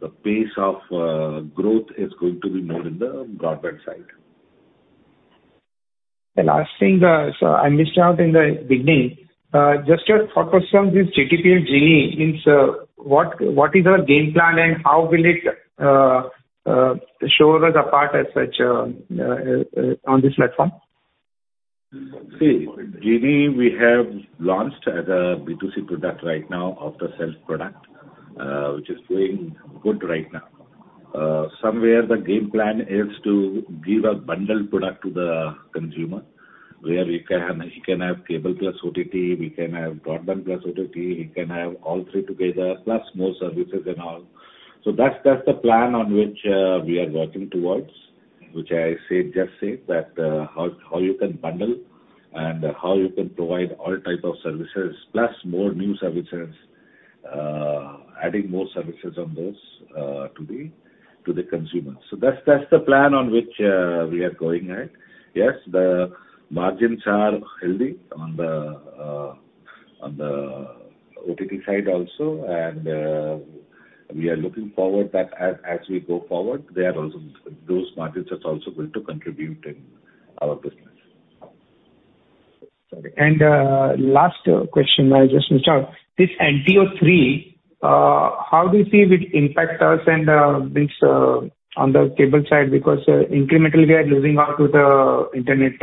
Speaker 4: The pace of growth is going to be more in the broadband side.
Speaker 10: Last thing, so I missed out in the beginning, just your focus on this GTPL Genie+. Means, what is our game plan and how will it show us apart as such, on this platform?
Speaker 4: See, Genie+, we have launched as a B2C product right now, after sales product, which is doing good right now. Somewhere the game plan is to give a bundled product to the consumer where he can have cable plus OTT, we can have broadband plus OTT, he can have all three together, plus more services and all. That's, that's the plan on which we are working towards, which I just said that how you can bundle and how you can provide all type of services plus more new services, adding more services on this to the consumer. That's, that's the plan on which we are going at. Yes, the margins are healthy on the OTT side also. We are looking forward that as we go forward, those margins are also going to contribute in our business.
Speaker 10: Last question I just missed out. This NTO 3.0, how do you see it impact us and, this, on the cable side? Because incrementally we are losing out to the internet,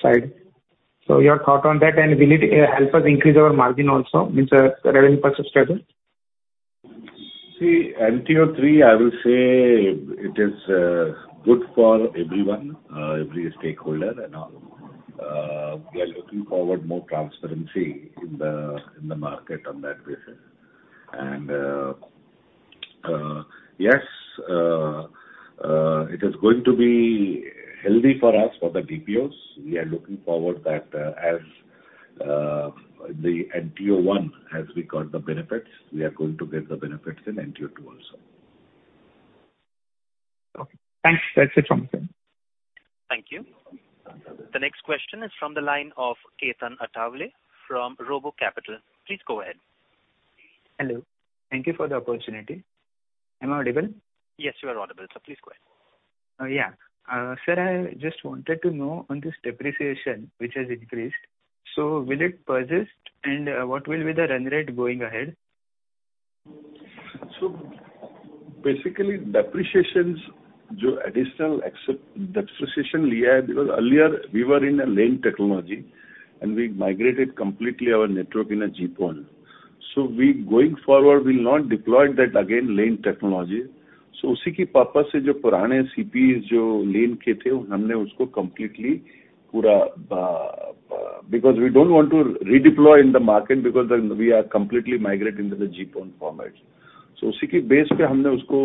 Speaker 10: side. Your thought on that, and will it help us increase our margin also? Means, revenue per subscriber.
Speaker 4: See, NTO 3.0 I will say it is good for everyone, every stakeholder and all. We are looking forward more transparency in the market on that basis. Yes, it is going to be healthy for us for the DPOs. We are looking forward that as the NTO 1.0 has record the benefits, we are going to get the benefits in NTO 2.0 also.
Speaker 10: Okay. Thanks. That's it from my side.
Speaker 1: Thank you. The next question is from the line of Ketan Athavale from RoboCapital. Please go ahead.
Speaker 11: Hello. Thank you for the opportunity. Am I audible?
Speaker 1: Yes, you are audible, sir. Please go ahead.
Speaker 11: Sir, I just wanted to know on this depreciation which has increased, will it persist and what will be the run rate going ahead?
Speaker 4: Basically depreciations, jo additional depreciation liya hai because earlier we were in a LAN technology and we migrated completely our network in a GPON. We going forward will not deploy that again LAN technology. Usi ki wajah se jo purane CPEs jo LAN ke the humne usko completely pura, because we don't want to redeploy in the market because then we are completely migrate into the GPON format. Usi ke base pe humne usko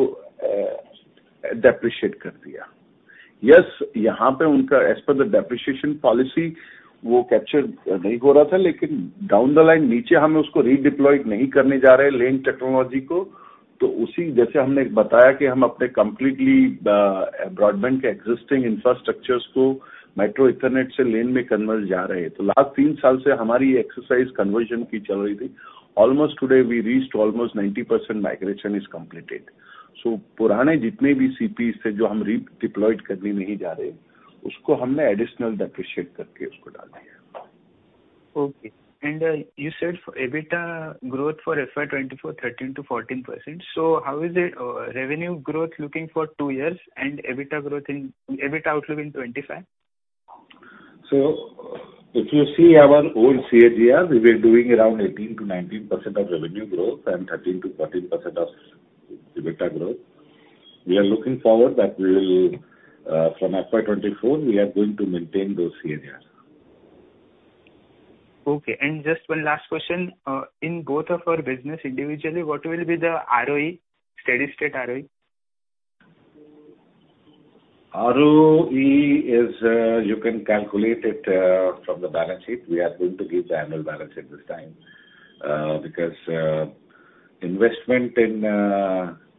Speaker 4: depreciate kar diya. Yes, yahaan pe unka as per the depreciation policy wo capture nahi ho raha tha lekin down the line niche hum usko redeploy nahi karne ja rahe LAN technology ko. Usi jaise humne bataya ki hum apne completely broadband ke existing infrastructures ko Metro Ethernet se LAN main convert ja rahe hai. Toh last 3 saal se humari exercise conversion ki chal rahi thi. Almost today we reached almost 90% migration is completed. Purane jitne bhi CPEs the jo hum redeploy karne nahi ja rahe, usko humne additional depreciate karke usko daal diya.
Speaker 11: Okay. You said for EBITDA growth for FY 2024, 13%-14%. How is it revenue growth looking for two years and EBITDA outlook in 2025?
Speaker 4: If you see our own CAGR, we were doing around 18%-19% of revenue growth and 13%-14% of EBITDA growth. We are looking forward that we will from FY 2024, we are going to maintain those CAGRs.
Speaker 11: Okay. Just one last question. In both of our business individually, what will be the ROE, steady-state ROE?
Speaker 4: ROE is, you can calculate it, from the balance sheet. We are going to give the annual balance sheet this time, because investment in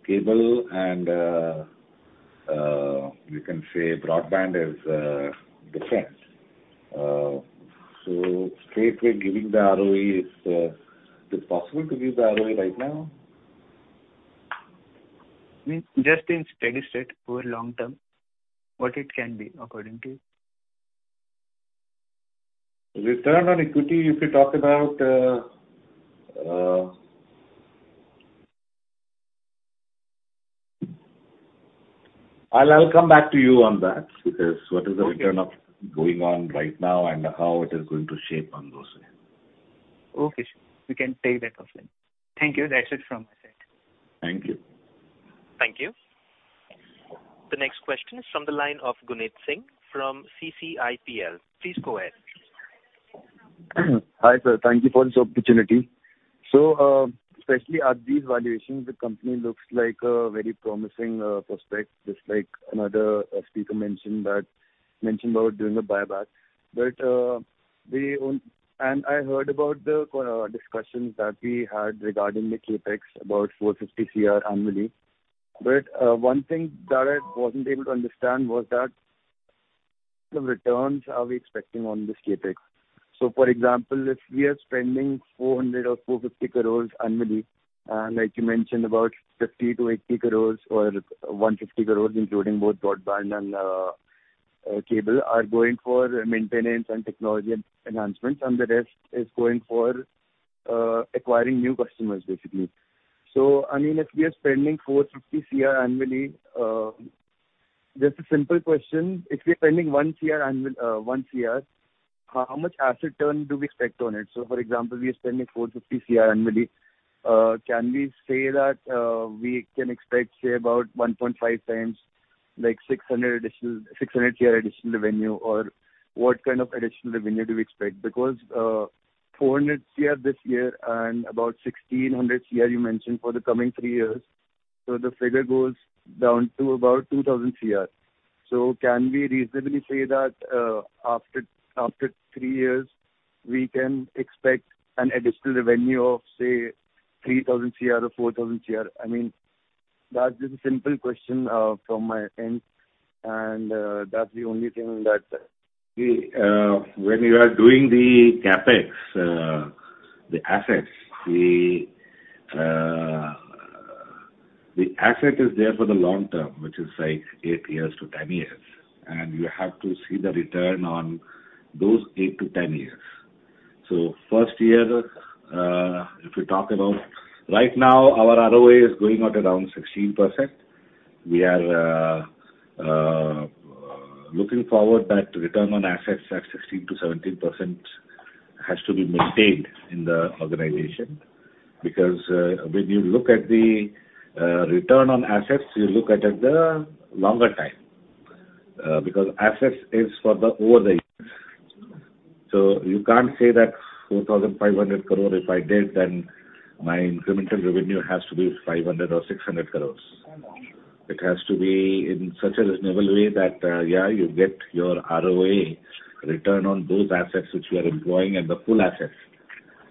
Speaker 4: cable and, you can say broadband is different. Straightway giving the ROE is it possible to give the ROE right now?
Speaker 11: Just in steady-state over long term, what it can be according to you?
Speaker 4: Return on equity, if you talk about, I'll come back to you on that because what is the return of going on right now and how it is going to shape on those areas.
Speaker 11: Okay. We can take that offline. Thank you. That's it from my side.
Speaker 4: Thank you.
Speaker 1: Thank you. The next question is from the line of Guneet Singh from CCIPL. Please go ahead.
Speaker 12: Hi, sir. Thank you for this opportunity. Especially at these valuations, the company looks like a very promising prospect, just like another speaker mentioned about doing a buyback. I heard about the discussions that we had regarding the CapEx, about 450 crore annually. One thing that I wasn't able to understand was that the returns are we expecting on this CapEx. For example, if we are spending 400 or 450 crore annually, and like you mentioned, about 50-80 crore or 150 crore, including both broadband and cable, are going for maintenance and technology enhancements, and the rest is going for acquiring new customers, basically. I mean, if we are spending 450 crore annually, just a simple question. If we are spending 1 crore, how much asset turn do we expect on it? For example, we are spending 450 crore annually. Can we say that we can expect, say, about 1.5 times, like 600 additional, 600 crore additional revenue? Or what kind of additional revenue do we expect? Because 400 crore this year and about 1,600 crore you mentioned for the coming three years. So the figure goes down to about 2,000 crore. Can we reasonably say that after three years, we can expect an additional revenue of, say, 3,000 crore or 4,000 crore? I mean, that's just a simple question from my end. That's the only thing that-
Speaker 4: When you are doing the CapEx, the assets, the asset is there for the long term, which is like 8-10 years. You have to see the return on those 8-10 years. First year. Right now, our ROA is going out around 16%. We are looking forward that return on assets at 16%-17% has to be maintained in the organization because when you look at the return on assets, you look at it the longer time, because assets is for the over the years. You can't say that 4,500 crore if I did, then my incremental revenue has to be 500 crore or 600 crore. It has to be in such a reasonable way that, yeah, you get your ROA return on those assets which we are employing and the full assets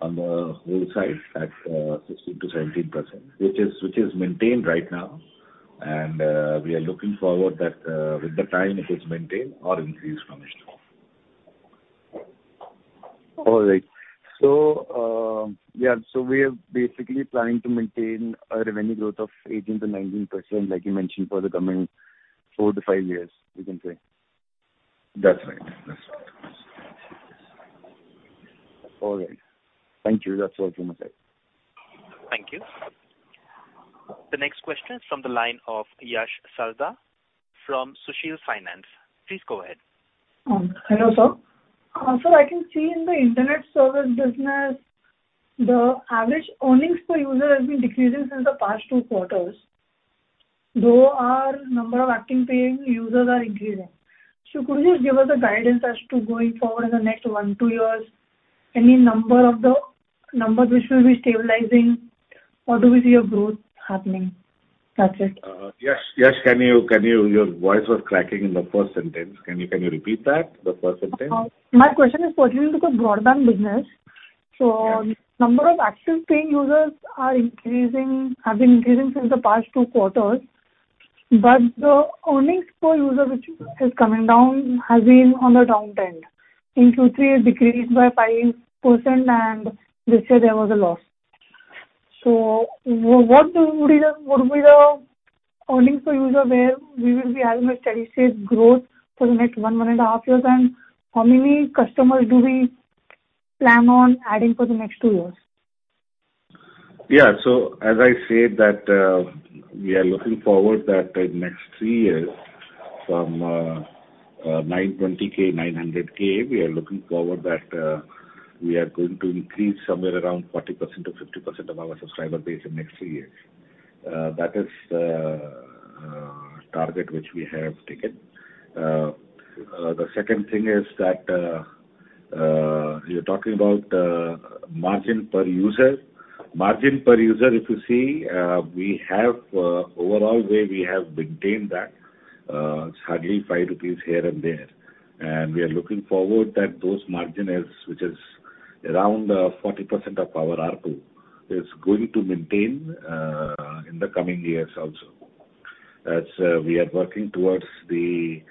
Speaker 4: on the whole side at 16%-17%, which is maintained right now. We are looking forward that, with the time it is maintained or increased from history.
Speaker 12: All right. We are basically planning to maintain a revenue growth of 18%-19%, like you mentioned, for the coming four to five years, we can say.
Speaker 4: That's right. That's right.
Speaker 12: All right. Thank you. That's all from my side.
Speaker 1: Thank you. The next question is from the line of Yash Sarda from Sushil Finance. Please go ahead.
Speaker 5: Hello, sir. Sir, I can see in the Internet service business, the average earnings per user has been decreasing since the past two quarters, though our number of active paying users are increasing. Could you give us a guidance as to going forward in the next one, two years, any number of the numbers which will be stabilizing or do we see a growth happening? That's it.
Speaker 4: Yash, can you? Your voice was cracking in the first sentence. Can you repeat that, the first sentence?
Speaker 5: My question is pertaining to the broadband business.
Speaker 4: Yeah.
Speaker 5: Number of active paying users are increasing, have been increasing since the past two quarters. The earnings per user which is coming down has been on the down trend. In Q3, it decreased by 5%, and this year there was a loss. What would be the earnings per user where we will be having a steady state growth for the next 1.5 years? How many customers do we plan on adding for the next two years?
Speaker 4: As I said that, we are looking forward that the next three years from 920K, 900K, we are looking forward that we are going to increase somewhere around 40%-50% of our subscriber base in next three years. That is our target which we have taken. The second thing is that you're talking about margin per user. Margin per user, if you see, we have overall way we have maintained that it's hardly 5 rupees here and there. We are looking forward that those margin is, which is around 40% of our ARPU, is going to maintain in the coming years also. As we are working towards the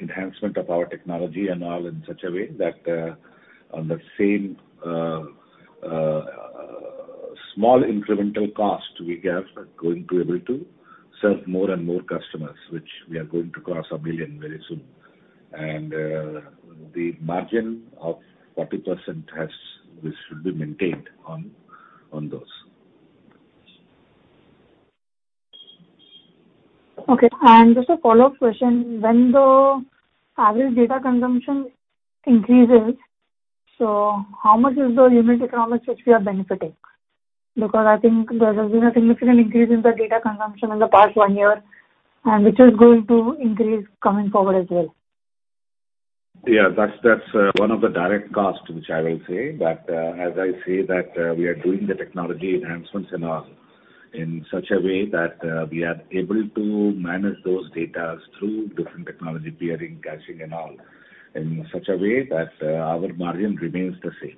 Speaker 4: enhancement of our technology and all in such a way that on the same small incremental cost we have, going to able to serve more and more customers, which we are going to cross 1 billion very soon. The margin of 40% has which should be maintained on those.
Speaker 5: Okay. Just a follow-up question. When the average data consumption increases, how much is the unit economics which we are benefiting? I think there has been a significant increase in the data consumption in the past one year, which is going to increase coming forward as well.
Speaker 4: Yeah. That's, that's one of the direct costs which I will say. As I say that, we are doing the technology enhancements and all in such a way that we are able to manage those data through different technology peering, caching and all, in such a way that our margin remains the same.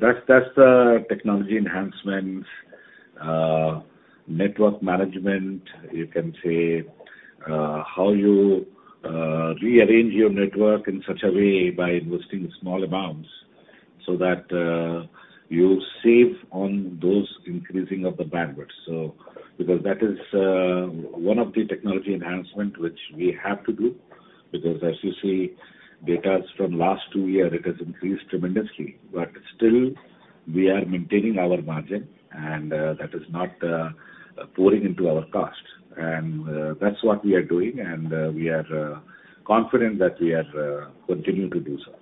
Speaker 4: That's, that's the technology enhancements. Network management, you can say, how you rearrange your network in such a way by investing small amounts so that you save on those increasing of the bandwidth. Because that is one of the technology enhancement which we have to do because as you see data from last two year, it has increased tremendously. Still we are maintaining our margin and that is not pouring into our cost. That's what we are doing, and we are confident that we are continuing to do so.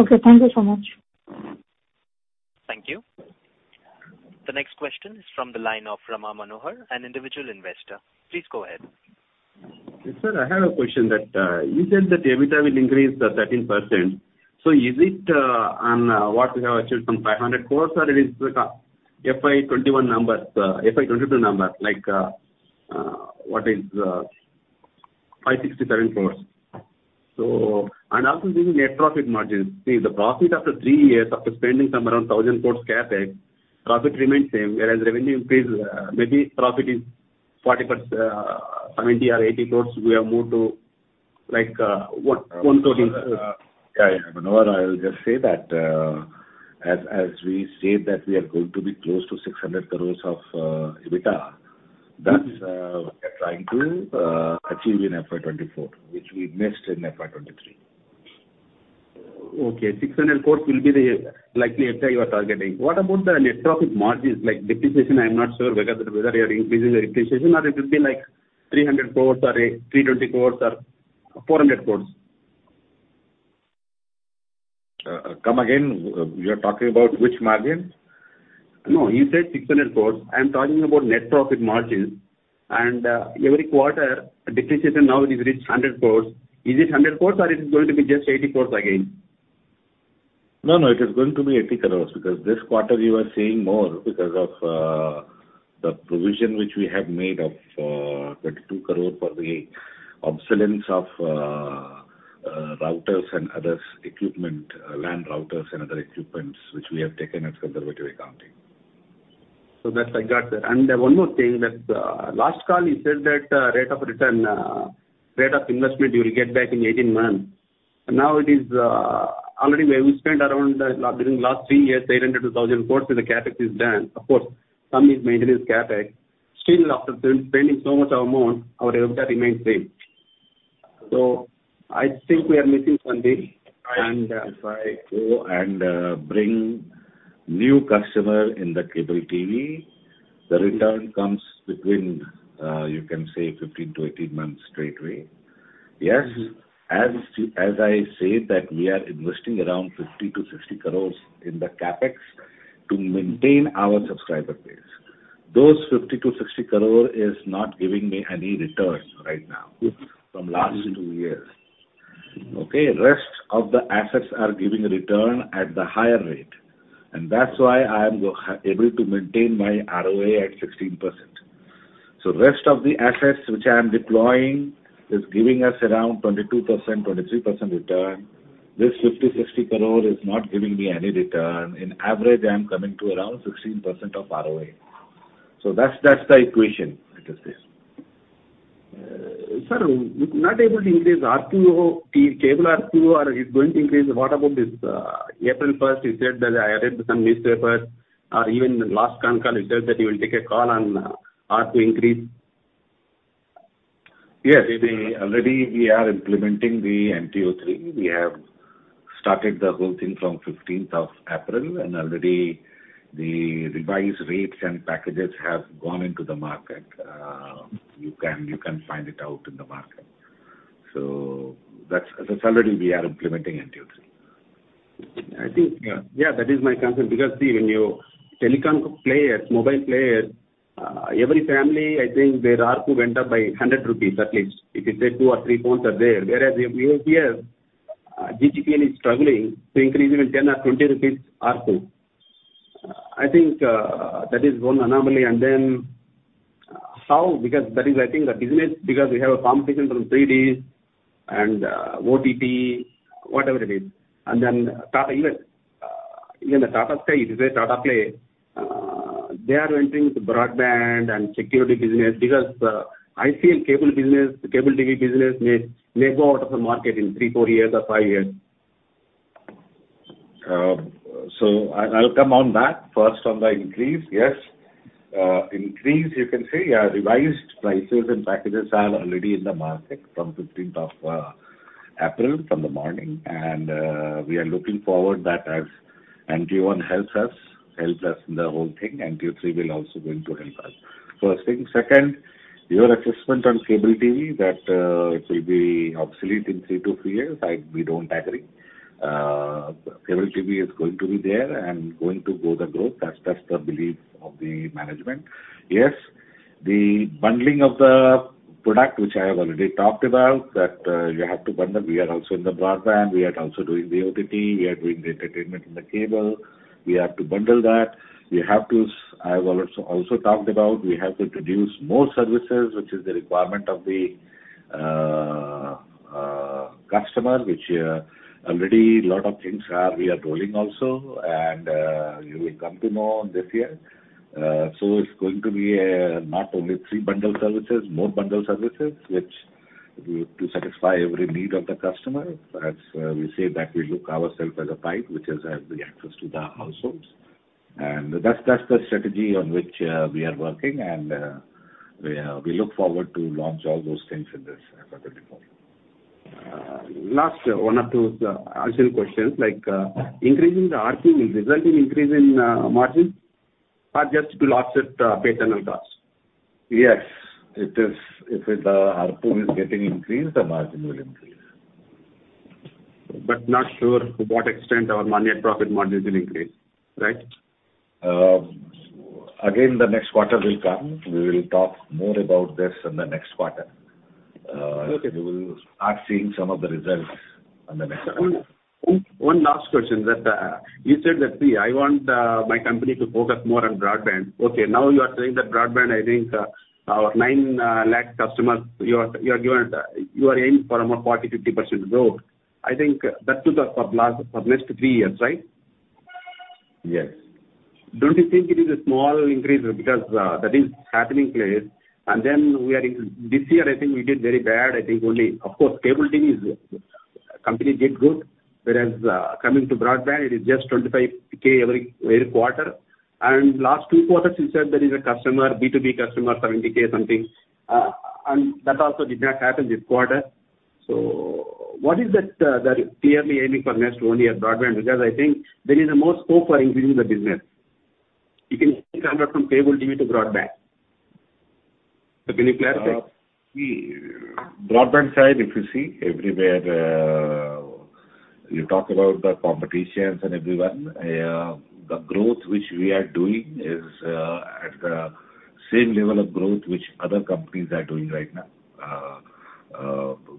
Speaker 5: Okay. Thank you so much.
Speaker 1: Thank you. The next question is from the line of Rama Manohar, an individual investor. Please go ahead.
Speaker 13: Sir, I have a question that you said that EBITDA will increase 13%. Is it on what we have achieved from 500 crores, or it is the FY 2021 numbers, FY 2022 numbers like what is 567 crores? The net profit margins. See, the profit after three years after spending some around 1,000 crores CapEx, profit remains same, whereas revenue increase, maybe profit is 40%, 70 or 80 crores, we have moved to like 1 crore increase.
Speaker 4: Yeah, Manohar, I will just say that as we said that we are going to be close to 600 crores of EBITDA. That's what we are trying to achieve in FY 2024, which we missed in FY 2023.
Speaker 13: Okay. 600 crores will be the likely EBITDA you are targeting. What about the net profit margins, like depreciation, I'm not sure whether you are increasing the depreciation or it will be like 300 crores or 320 crores or 400 crores.
Speaker 4: Come again. You're talking about which margin?
Speaker 13: No, you said 600 crores. I am talking about net profit margins. Every quarter depreciation now it has reached 100 crores. Is it 100 crores or it is going to be just 80 crores again?
Speaker 4: No, no, it is going to be 80 crores because this quarter you are seeing more because of the provision which we have made of 22 crore for the obsolescence of routers and others equipment, LAN routers and other equipments, which we have taken as conservative accounting.
Speaker 13: That I got that. One more thing that last call you said that rate of return, rate of investment you will get back in 18 months. Now it is, already we spent around during last three years, 800 crore to 1,000 crore in the CapEx is done. Of course, some is maintenance CapEx. Still, after spending so much amount, our EBITDA remains same. I think we are missing something and-
Speaker 4: If I go and bring new customer in the Cable TV, the return comes between you can say 15-18 months straightaway. Yes, as I said that we are investing around 50-60 crore in the CapEx to maintain our subscriber base. Those 50-60 crore is not giving me any returns right now from last 2 years. Okay? Rest of the assets are giving return at the higher rate, and that's why I am able to maintain my ROA at 16%. Rest of the assets which I am deploying is giving us around 22%, 23% return. This 50-60 crore is not giving me any return. In average, I am coming to around 16% of ROA. That's the equation, let us say.
Speaker 13: Sir, not able to increase ARPU, the cable ARPU, or it's going to increase? What about this, April first, you said that I read some newspaper, or even last con call you said that you will take a call on ARPU increase?
Speaker 4: Already we are implementing the NTO 3.0. We have started the whole thing from 15th of April, already the revised rates and packages have gone into the market. You can find it out in the market. That's already we are implementing NTO 3.0.
Speaker 13: I think...
Speaker 4: Yeah.
Speaker 13: Yeah, that is my concern because, see, when you... Telecom players, mobile players, every family, I think their ARPU went up by 100 rupees at least. If it's say two or three phones are there, whereas if we appear, GTPL is struggling to increase even 10 or 20 rupees ARPU. I think, that is one anomaly. how, because that is I think the business, because we have a competition from DD and OTT, whatever it is. Tata even the Tata Sky, you say Tata Play, they are entering the broadband and security business because, I see a cable business, the cable TV business may go out of the market in three, four years or five years.
Speaker 4: I'll come on that. First on the increase, yes. Increase you can say, revised prices and packages are already in the market from 15th of April from the morning. We are looking forward that as NTO 1.0 helps us in the whole thing. NTO 3.0 will also going to help us. That's thing. Second, your assessment on cable TV that it will be obsolete in three to three years, we don't agree. Cable TV is going to be there and going to grow the growth. That's the belief of the management. Yes, the bundling of the product, which I have already talked about, that you have to bundle. We are also in the broadband. We are also doing the OTT. We are doing the entertainment in the cable. We have to bundle that. We have to, I have also talked about, we have to introduce more services, which is the requirement of the customer, which already a lot of things are, we are rolling also. You will come to know this year. It's going to be not only three bundle services, more bundle services, which we to satisfy every need of the customer. As we say that we look ourself as a pipe which has the access to the households. That's the strategy on which we are working and we look forward to launch all those things in this financial year.
Speaker 13: Last one or two, answer questions like, increasing the ARPU will result in increase in, margin or just to offset, pay channel costs?
Speaker 4: Yes, it is. If the ARPU is getting increased, the margin will increase.
Speaker 13: Not sure to what extent our money and profit margin will increase, right?
Speaker 4: The next quarter will come. We will talk more about this in the next quarter.
Speaker 13: Okay.
Speaker 4: You will start seeing some of the results in the next quarter.
Speaker 13: One last question that you said that, "See, I want my company to focus more on broadband." Okay, now you are saying that broadband, I think, our nine lakh customers, you are aiming for a more 40%, 50% growth. I think that too for next three years, right?
Speaker 4: Yes.
Speaker 10: Don't you think it is a small increase because that is happening phase. This year, I think we did very bad. I think only, of course, cable TV company did good. Whereas coming to broadband, it is just 25K every quarter. Last two quarters you said there is a customer, B2B customer, 70K something. That also did not happen this quarter. What is that that you're clearly aiming for next 1 year broadband? Because I think there is a more scope for increasing the business.
Speaker 9: You can stand up from pay will give you the broadband. Can you clarify?
Speaker 4: The broadband side, if you see everywhere, you talk about the competitions and everyone, the growth which we are doing is at the same level of growth which other companies are doing right now.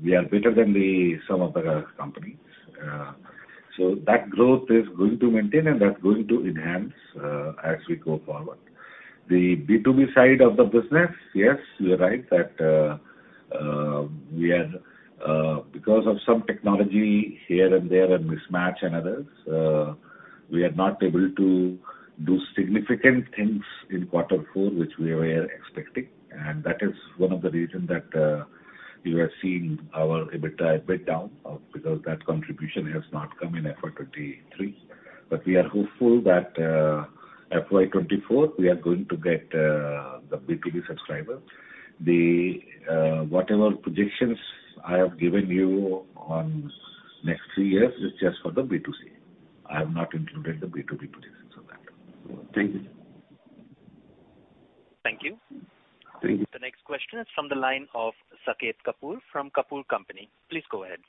Speaker 4: We are better than the some of the companies. That growth is going to maintain and that's going to enhance as we go forward. The B2B side of the business, yes, you're right that we are because of some technology here and there and mismatch and others, we are not able to do significant things in quarter four, which we were expecting, and that is one of the reason that you have seen our EBITDA a bit down because that contribution has not come in FY 2023. We are hopeful that, FY 2024, we are going to get the B2B subscriber. Whatever projections I have given you on next three years is just for the B2C. I have not included the B2B projections on that. Thank you.
Speaker 13: Thank you.
Speaker 4: Thank you.
Speaker 1: The next question is from the line of Saket Kapoor from Kapoor & Company. Please go ahead.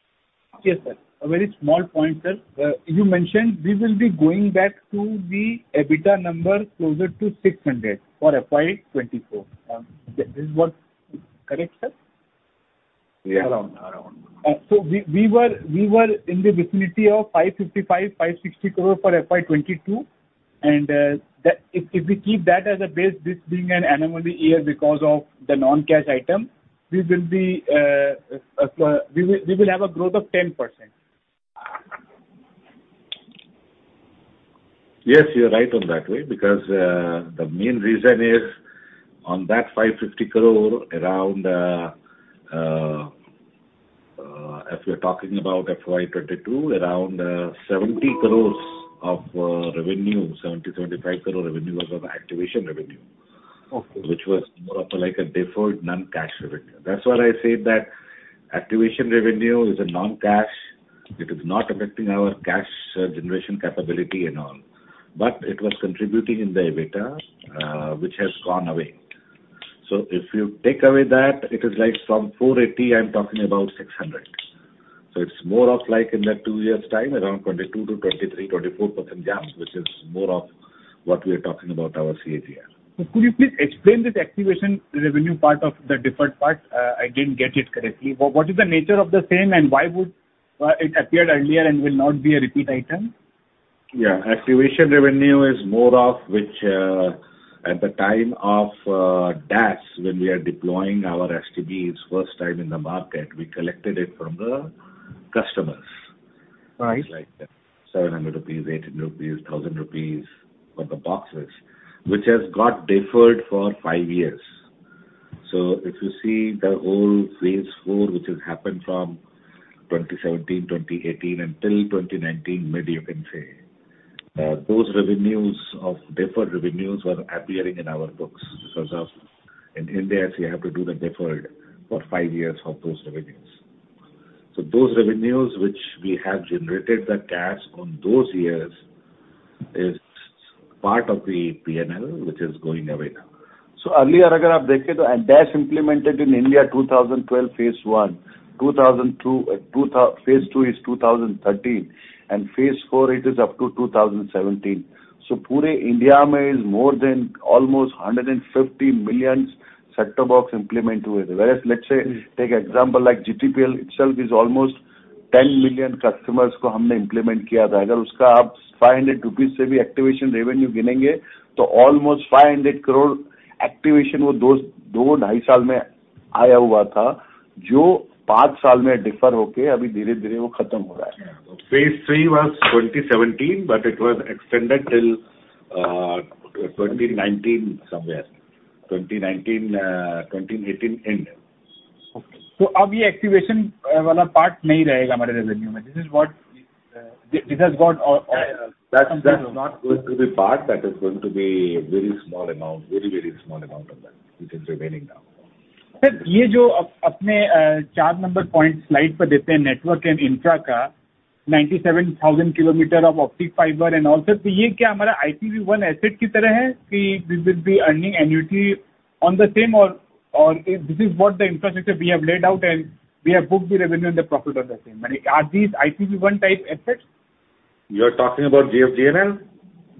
Speaker 9: Yes, sir. A very small point, sir. You mentioned we will be going back to the EBITDA number closer to 600 crore for FY 2024. Is this correct, sir?
Speaker 4: Yes. Around. Around.
Speaker 9: We were in the vicinity of 555-560 crore for FY 2022. If we keep that as a base, this being an anomaly year because of the non-cash item, we will have a growth of 10%.
Speaker 4: Yes, you're right on that way because, the main reason is on that 550 crore around if you're talking about FY 2022 around 70-75 crore revenue was of activation revenue.
Speaker 9: Okay.
Speaker 4: Which was more of a like a deferred non-cash revenue. That's why I said that activation revenue is a non-cash. It is not affecting our cash generation capability and all, but it was contributing in the EBITDA, which has gone away. If you take away that, it is like from 480, I'm talking about 600. It's more of like in the two years time, around 22%-24% jumps, which is more of what we are talking about our CAGR.
Speaker 9: Could you please explain this activation revenue part of the deferred part? I didn't get it correctly. What is the nature of the same and why would it appeared earlier and will not be a repeat item?
Speaker 4: Yeah. Activation revenue is more of which, at the time of, DAS, when we are deploying our STBs first time in the market, we collected it from the customers.
Speaker 9: Right.
Speaker 4: Like 700 rupees, 800 rupees, 1,000 rupees for the boxes, which has got deferred for five years. If you see the whole Phase IV, which has happened from 2017, 2018 until 2019, maybe you can say, deferred revenues were appearing in our books because of in India, you have to do the deferred for V years of those revenues. Those revenues which we have generated the cash on those years is part of the P&L, which is going away now.
Speaker 9: Earlier and DAS implemented in India 2012, Phase I, 2002, Phase II is 2013, and Phase IV it is up to 2017. Is more than almost 150 million set-top box implement.
Speaker 4: Yeah.
Speaker 9: Let's say, take example like GTPL itself is almost 10 million customers activation revenue so almost INR 500 crore activation.
Speaker 4: Yeah. Phase III was 2017. It was extended till 2019 somewhere. 2019, 2018 end.
Speaker 9: Activation, part revenue. This is what, this has got or?
Speaker 4: That's not going to be part. That is going to be very small amount. Very small amount of that which is remaining now.
Speaker 9: Sir, charge number point slide network and infra, 97,000 km of optic fiber and all, sir. IP-1 asset we will be earning annuity on the same or if this is what the infrastructure we have laid out and we have booked the revenue and the profit on the same? I mean, are these IPV-1 type assets?
Speaker 4: You are talking about GFGNL?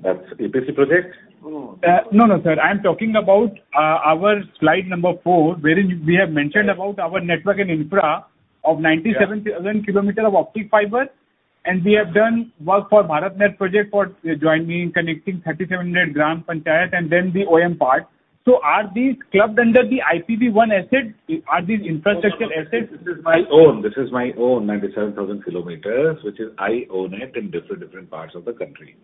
Speaker 4: That's EPC project.
Speaker 9: No, no, sir. I am talking about our slide number four, wherein we have mentioned about our network and infra of 97,000 kilometer of optic fiber, and we have done work for BharatNet project for joining, connecting 3,700 gram panchayat and then the OM part. Are these clubbed under the IPV one asset? Are these infrastructure assets?
Speaker 4: This is my own 97,000 km, which is I own it in different parts of the country.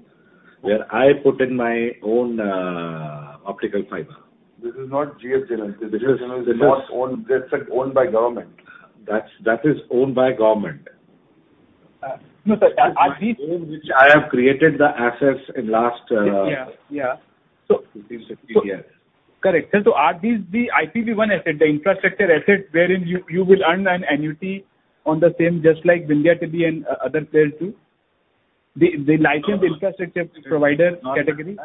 Speaker 9: Okay.
Speaker 4: Where I put in my own optical fiber.
Speaker 9: This is not GFGNL. This is-
Speaker 4: This is.
Speaker 9: GFGNL is not owned. That's owned by government.
Speaker 4: That's, that is owned by government.
Speaker 9: No, sir. Are?
Speaker 4: Owned which I have created the assets in last.
Speaker 9: Yeah. Yeah.
Speaker 4: 15 years.
Speaker 9: Correct. Sir, are these the IPV-1 asset, the infrastructure asset wherein you will earn an annuity on the same, just like Vindhya Telelinks and other players too? The licensed infrastructure provider category.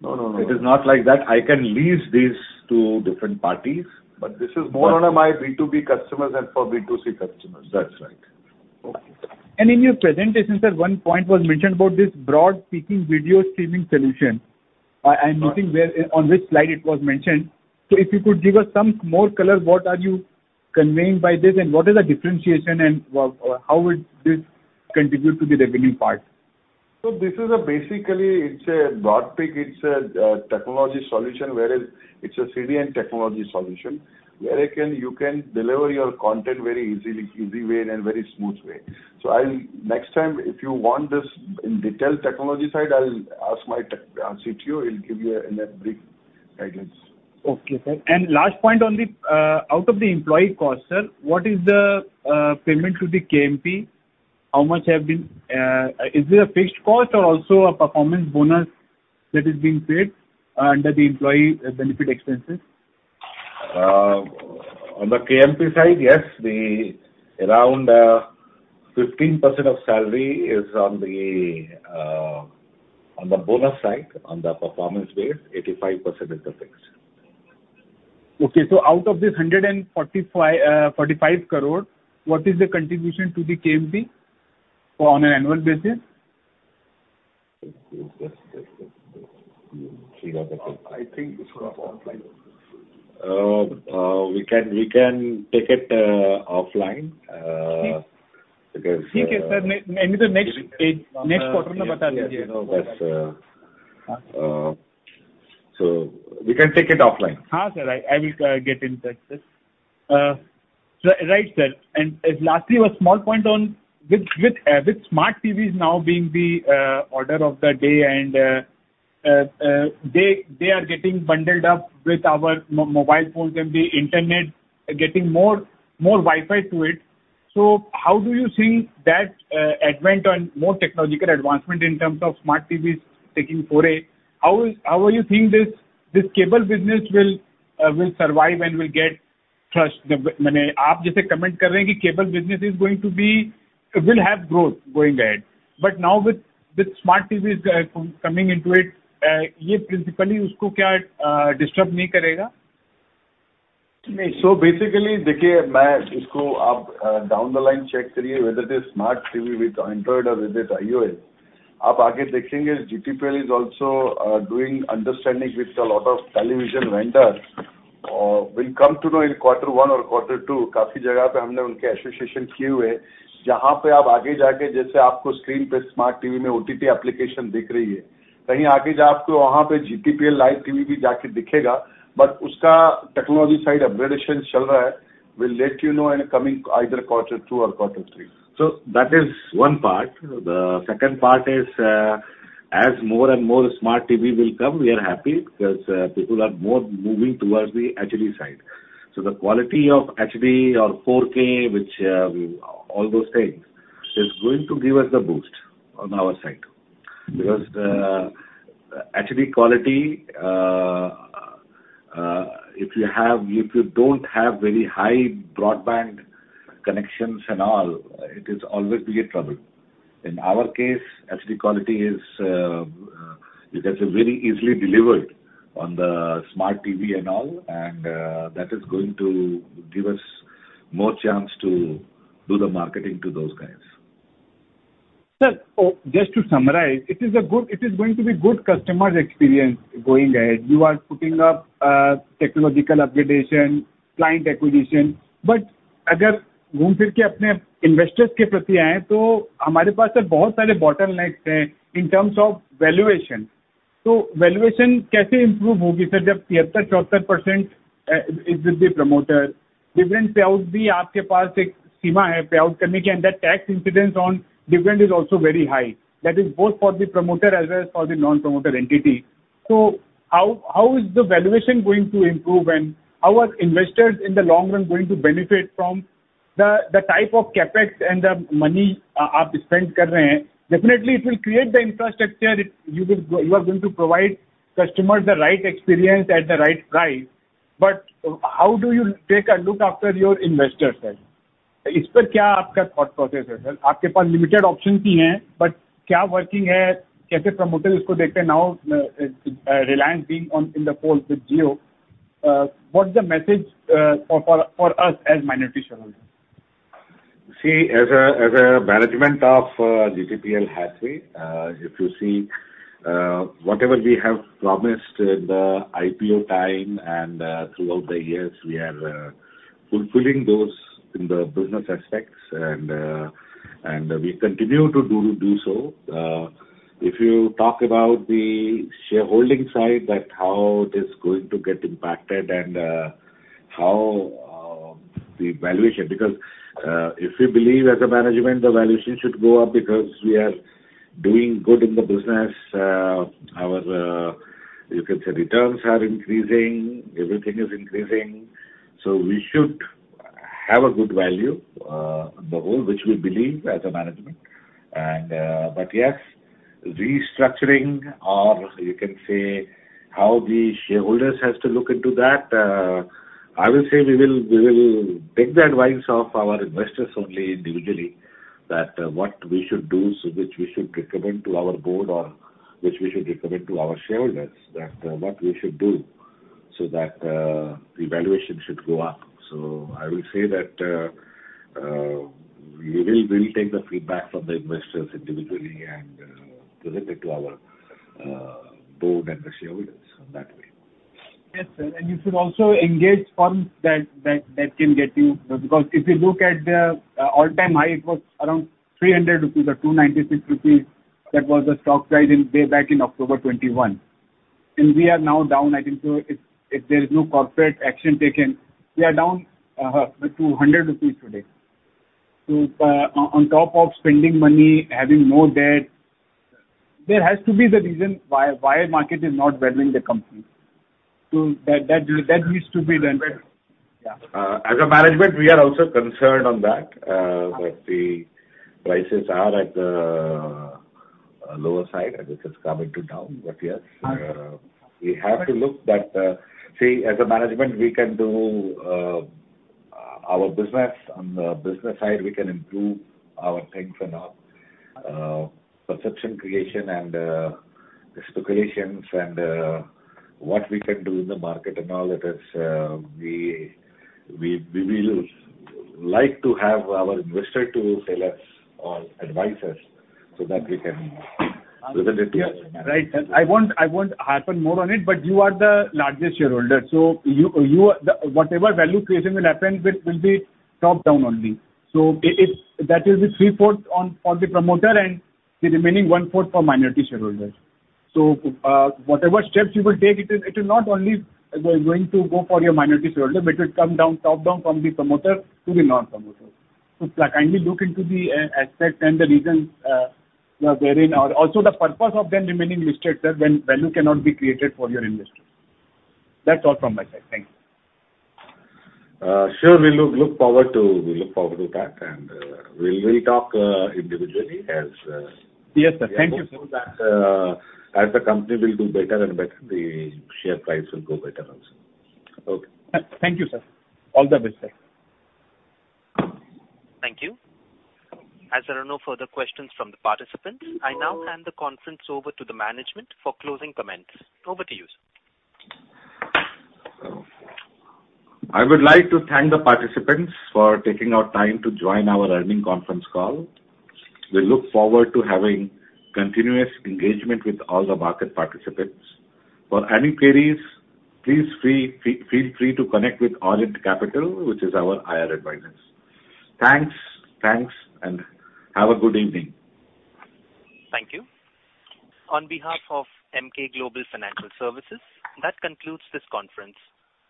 Speaker 4: No, no. It is not like that. I can lease these to different parties, but this is more under my B2B customers than for B2C customers. That's right.
Speaker 9: Okay. In your presentation, sir, one point was mentioned about this Broadpeak video streaming solution. I'm looking where on which slide it was mentioned. If you could give us some more color, what are you conveying by this, and what is the differentiation and how would this contribute to the revenue part?
Speaker 4: This is a basically it's a Broadpeak. It's a technology solution, whereas it's a CDN technology solution where you can deliver your content very easily, easy way and in very smooth way. I'll next time, if you want this in detail technology side, I'll ask my tech, CTO, he'll give you a brief guidance.
Speaker 9: Okay, sir. Last point on the out of the employee cost, sir, what is the payment to the KMP? Is it a fixed cost or also a performance bonus that is being paid under the employee benefit expenses?
Speaker 4: On the KMP side, yes, the around 15% of salary is on the bonus side, on the performance base, 85% is the fixed.
Speaker 9: Okay. Out of this 145 crore, what is the contribution to the KMP on an annual basis?
Speaker 4: We can take it offline. That's. We can take it offline.
Speaker 9: Sir, I will get in touch, yes. Right, sir. Lastly, one small point on with smart TVs now being the order of the day and they are getting bundled up with our mobile phones and the internet getting more Wi-Fi to it. How do you think that advent on more technological advancement in terms of smart TVs taking foray, how are you think this cable business will survive and will get trust? cable business is going to be... Will have growth going ahead. Now with smart TVs coming into it.
Speaker 4: Basically, down the line, check whether it is smart TV with Android or with iOS. GTPL is also doing understanding with a lot of television vendors. We'll come to know in quarter one or quarter two. OTT application. GTPL Live TV. Technology side upgradation. We'll let you know in coming either quarter two or quarter three. That is one part. The second part is, as more and more smart TV will come, we are happy because people are more moving towards the HD side. The quality of HD or 4K, which all those things, is going to give us the boost on our side. Because the HD quality, if you don't have very high broadband connections and all, it is always be a trouble. In our case, HD quality is, you can say, very easily delivered on the smart TV and all, and, that is going to give us more chance to do the marketing to those guys.
Speaker 9: Sir, just to summarize, it is going to be good customer experience going ahead. You are putting up technological upgradation, client acquisition. Investors in terms of valuation. Valuation is with the promoter. Different payout under tax incidence on dividend is also very high. That is both for the promoter as well as for the non-promoter entity. How is the valuation going to improve and how are investors in the long run going to benefit from the type of CapEx and the money? Definitely, it will create the infrastructure. You are going to provide customers the right experience at the right price. How do you take a look after your investors, sir? Limited options, Reliance being on in the fold with Jio. What's the message for us as minority shareholders?
Speaker 4: See, as a management of GTPL has been, if you see, whatever we have promised in the IPO time and throughout the years, we are fulfilling those in the business aspects and we continue to do so. If you talk about the shareholding side, that how it is going to get impacted and how the valuation. Because if you believe as a management, the valuation should go up because we are doing good in the business. Our, you can say returns are increasing, everything is increasing. We should have a good value on the whole, which we believe as a management. But yes, restructuring or you can say how the shareholders has to look into that, I will say we will take the advice of our investors only individually that what we should do, so which we should recommend to our board or which we should recommend to our shareholders that what we should do so that the valuation should go up. I will say that we will take the feedback from the investors individually and present it to our board and the shareholders in that way.
Speaker 9: Yes, sir. You should also engage firms that can get you... If you look at the all-time high, it was around 300 rupees or 296 rupees. That was the stock price in way back in October 2021. We are now down, I think, if there is no corporate action taken, we are down to 100 rupees today. On top of spending money, having more debt, there has to be the reason why market is not valuing the company. That needs to be done. Yeah.
Speaker 4: As a management, we are also concerned on that the prices are at the lower side and which has come into down. We have to look that. See, as a management, we can do our business. On the business side, we can improve our things and our perception creation and the speculations and what we can do in the market and all that is, we will like to have our investor to tell us or advise us so that we can present it to our management.
Speaker 9: Yes. Right. I won't, I won't harp on more on it, but you are the largest shareholder, you the whatever value creation will happen will be top-down only. If that is the three-fourth on the promoter and the remaining one-fourth for minority shareholders. Whatever steps you will take, it will not only going to go for your minority shareholder, but it will come down top-down from the promoter to the non-promoter. Kindly look into the aspect and the reasons you are therein or also the purpose of then remaining listed, sir, when value cannot be created for your investors. That's all from my side. Thank you.
Speaker 4: Sure. We look forward to that, and we will talk individually as.
Speaker 9: Yes, sir. Thank you, sir.
Speaker 4: We are hopeful that, as the company will do better and better, the share price will go better also. Okay.
Speaker 9: Thank you, sir. All the best, sir.
Speaker 1: Thank you. As there are no further questions from the participants, I now hand the conference over to the management for closing comments. Over to you, sir.
Speaker 3: I would like to thank the participants for taking out time to join our earnings conference call. We look forward to having continuous engagement with all the market participants. For any queries, please feel free to connect with Orient Capital, which is our IR advisors. Thanks. Thanks, and have a good evening.
Speaker 1: Thank you. On behalf of Emkay Global Financial Services, that concludes this conference.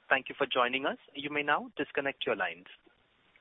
Speaker 1: Thank you for joining us. You may now disconnect your lines.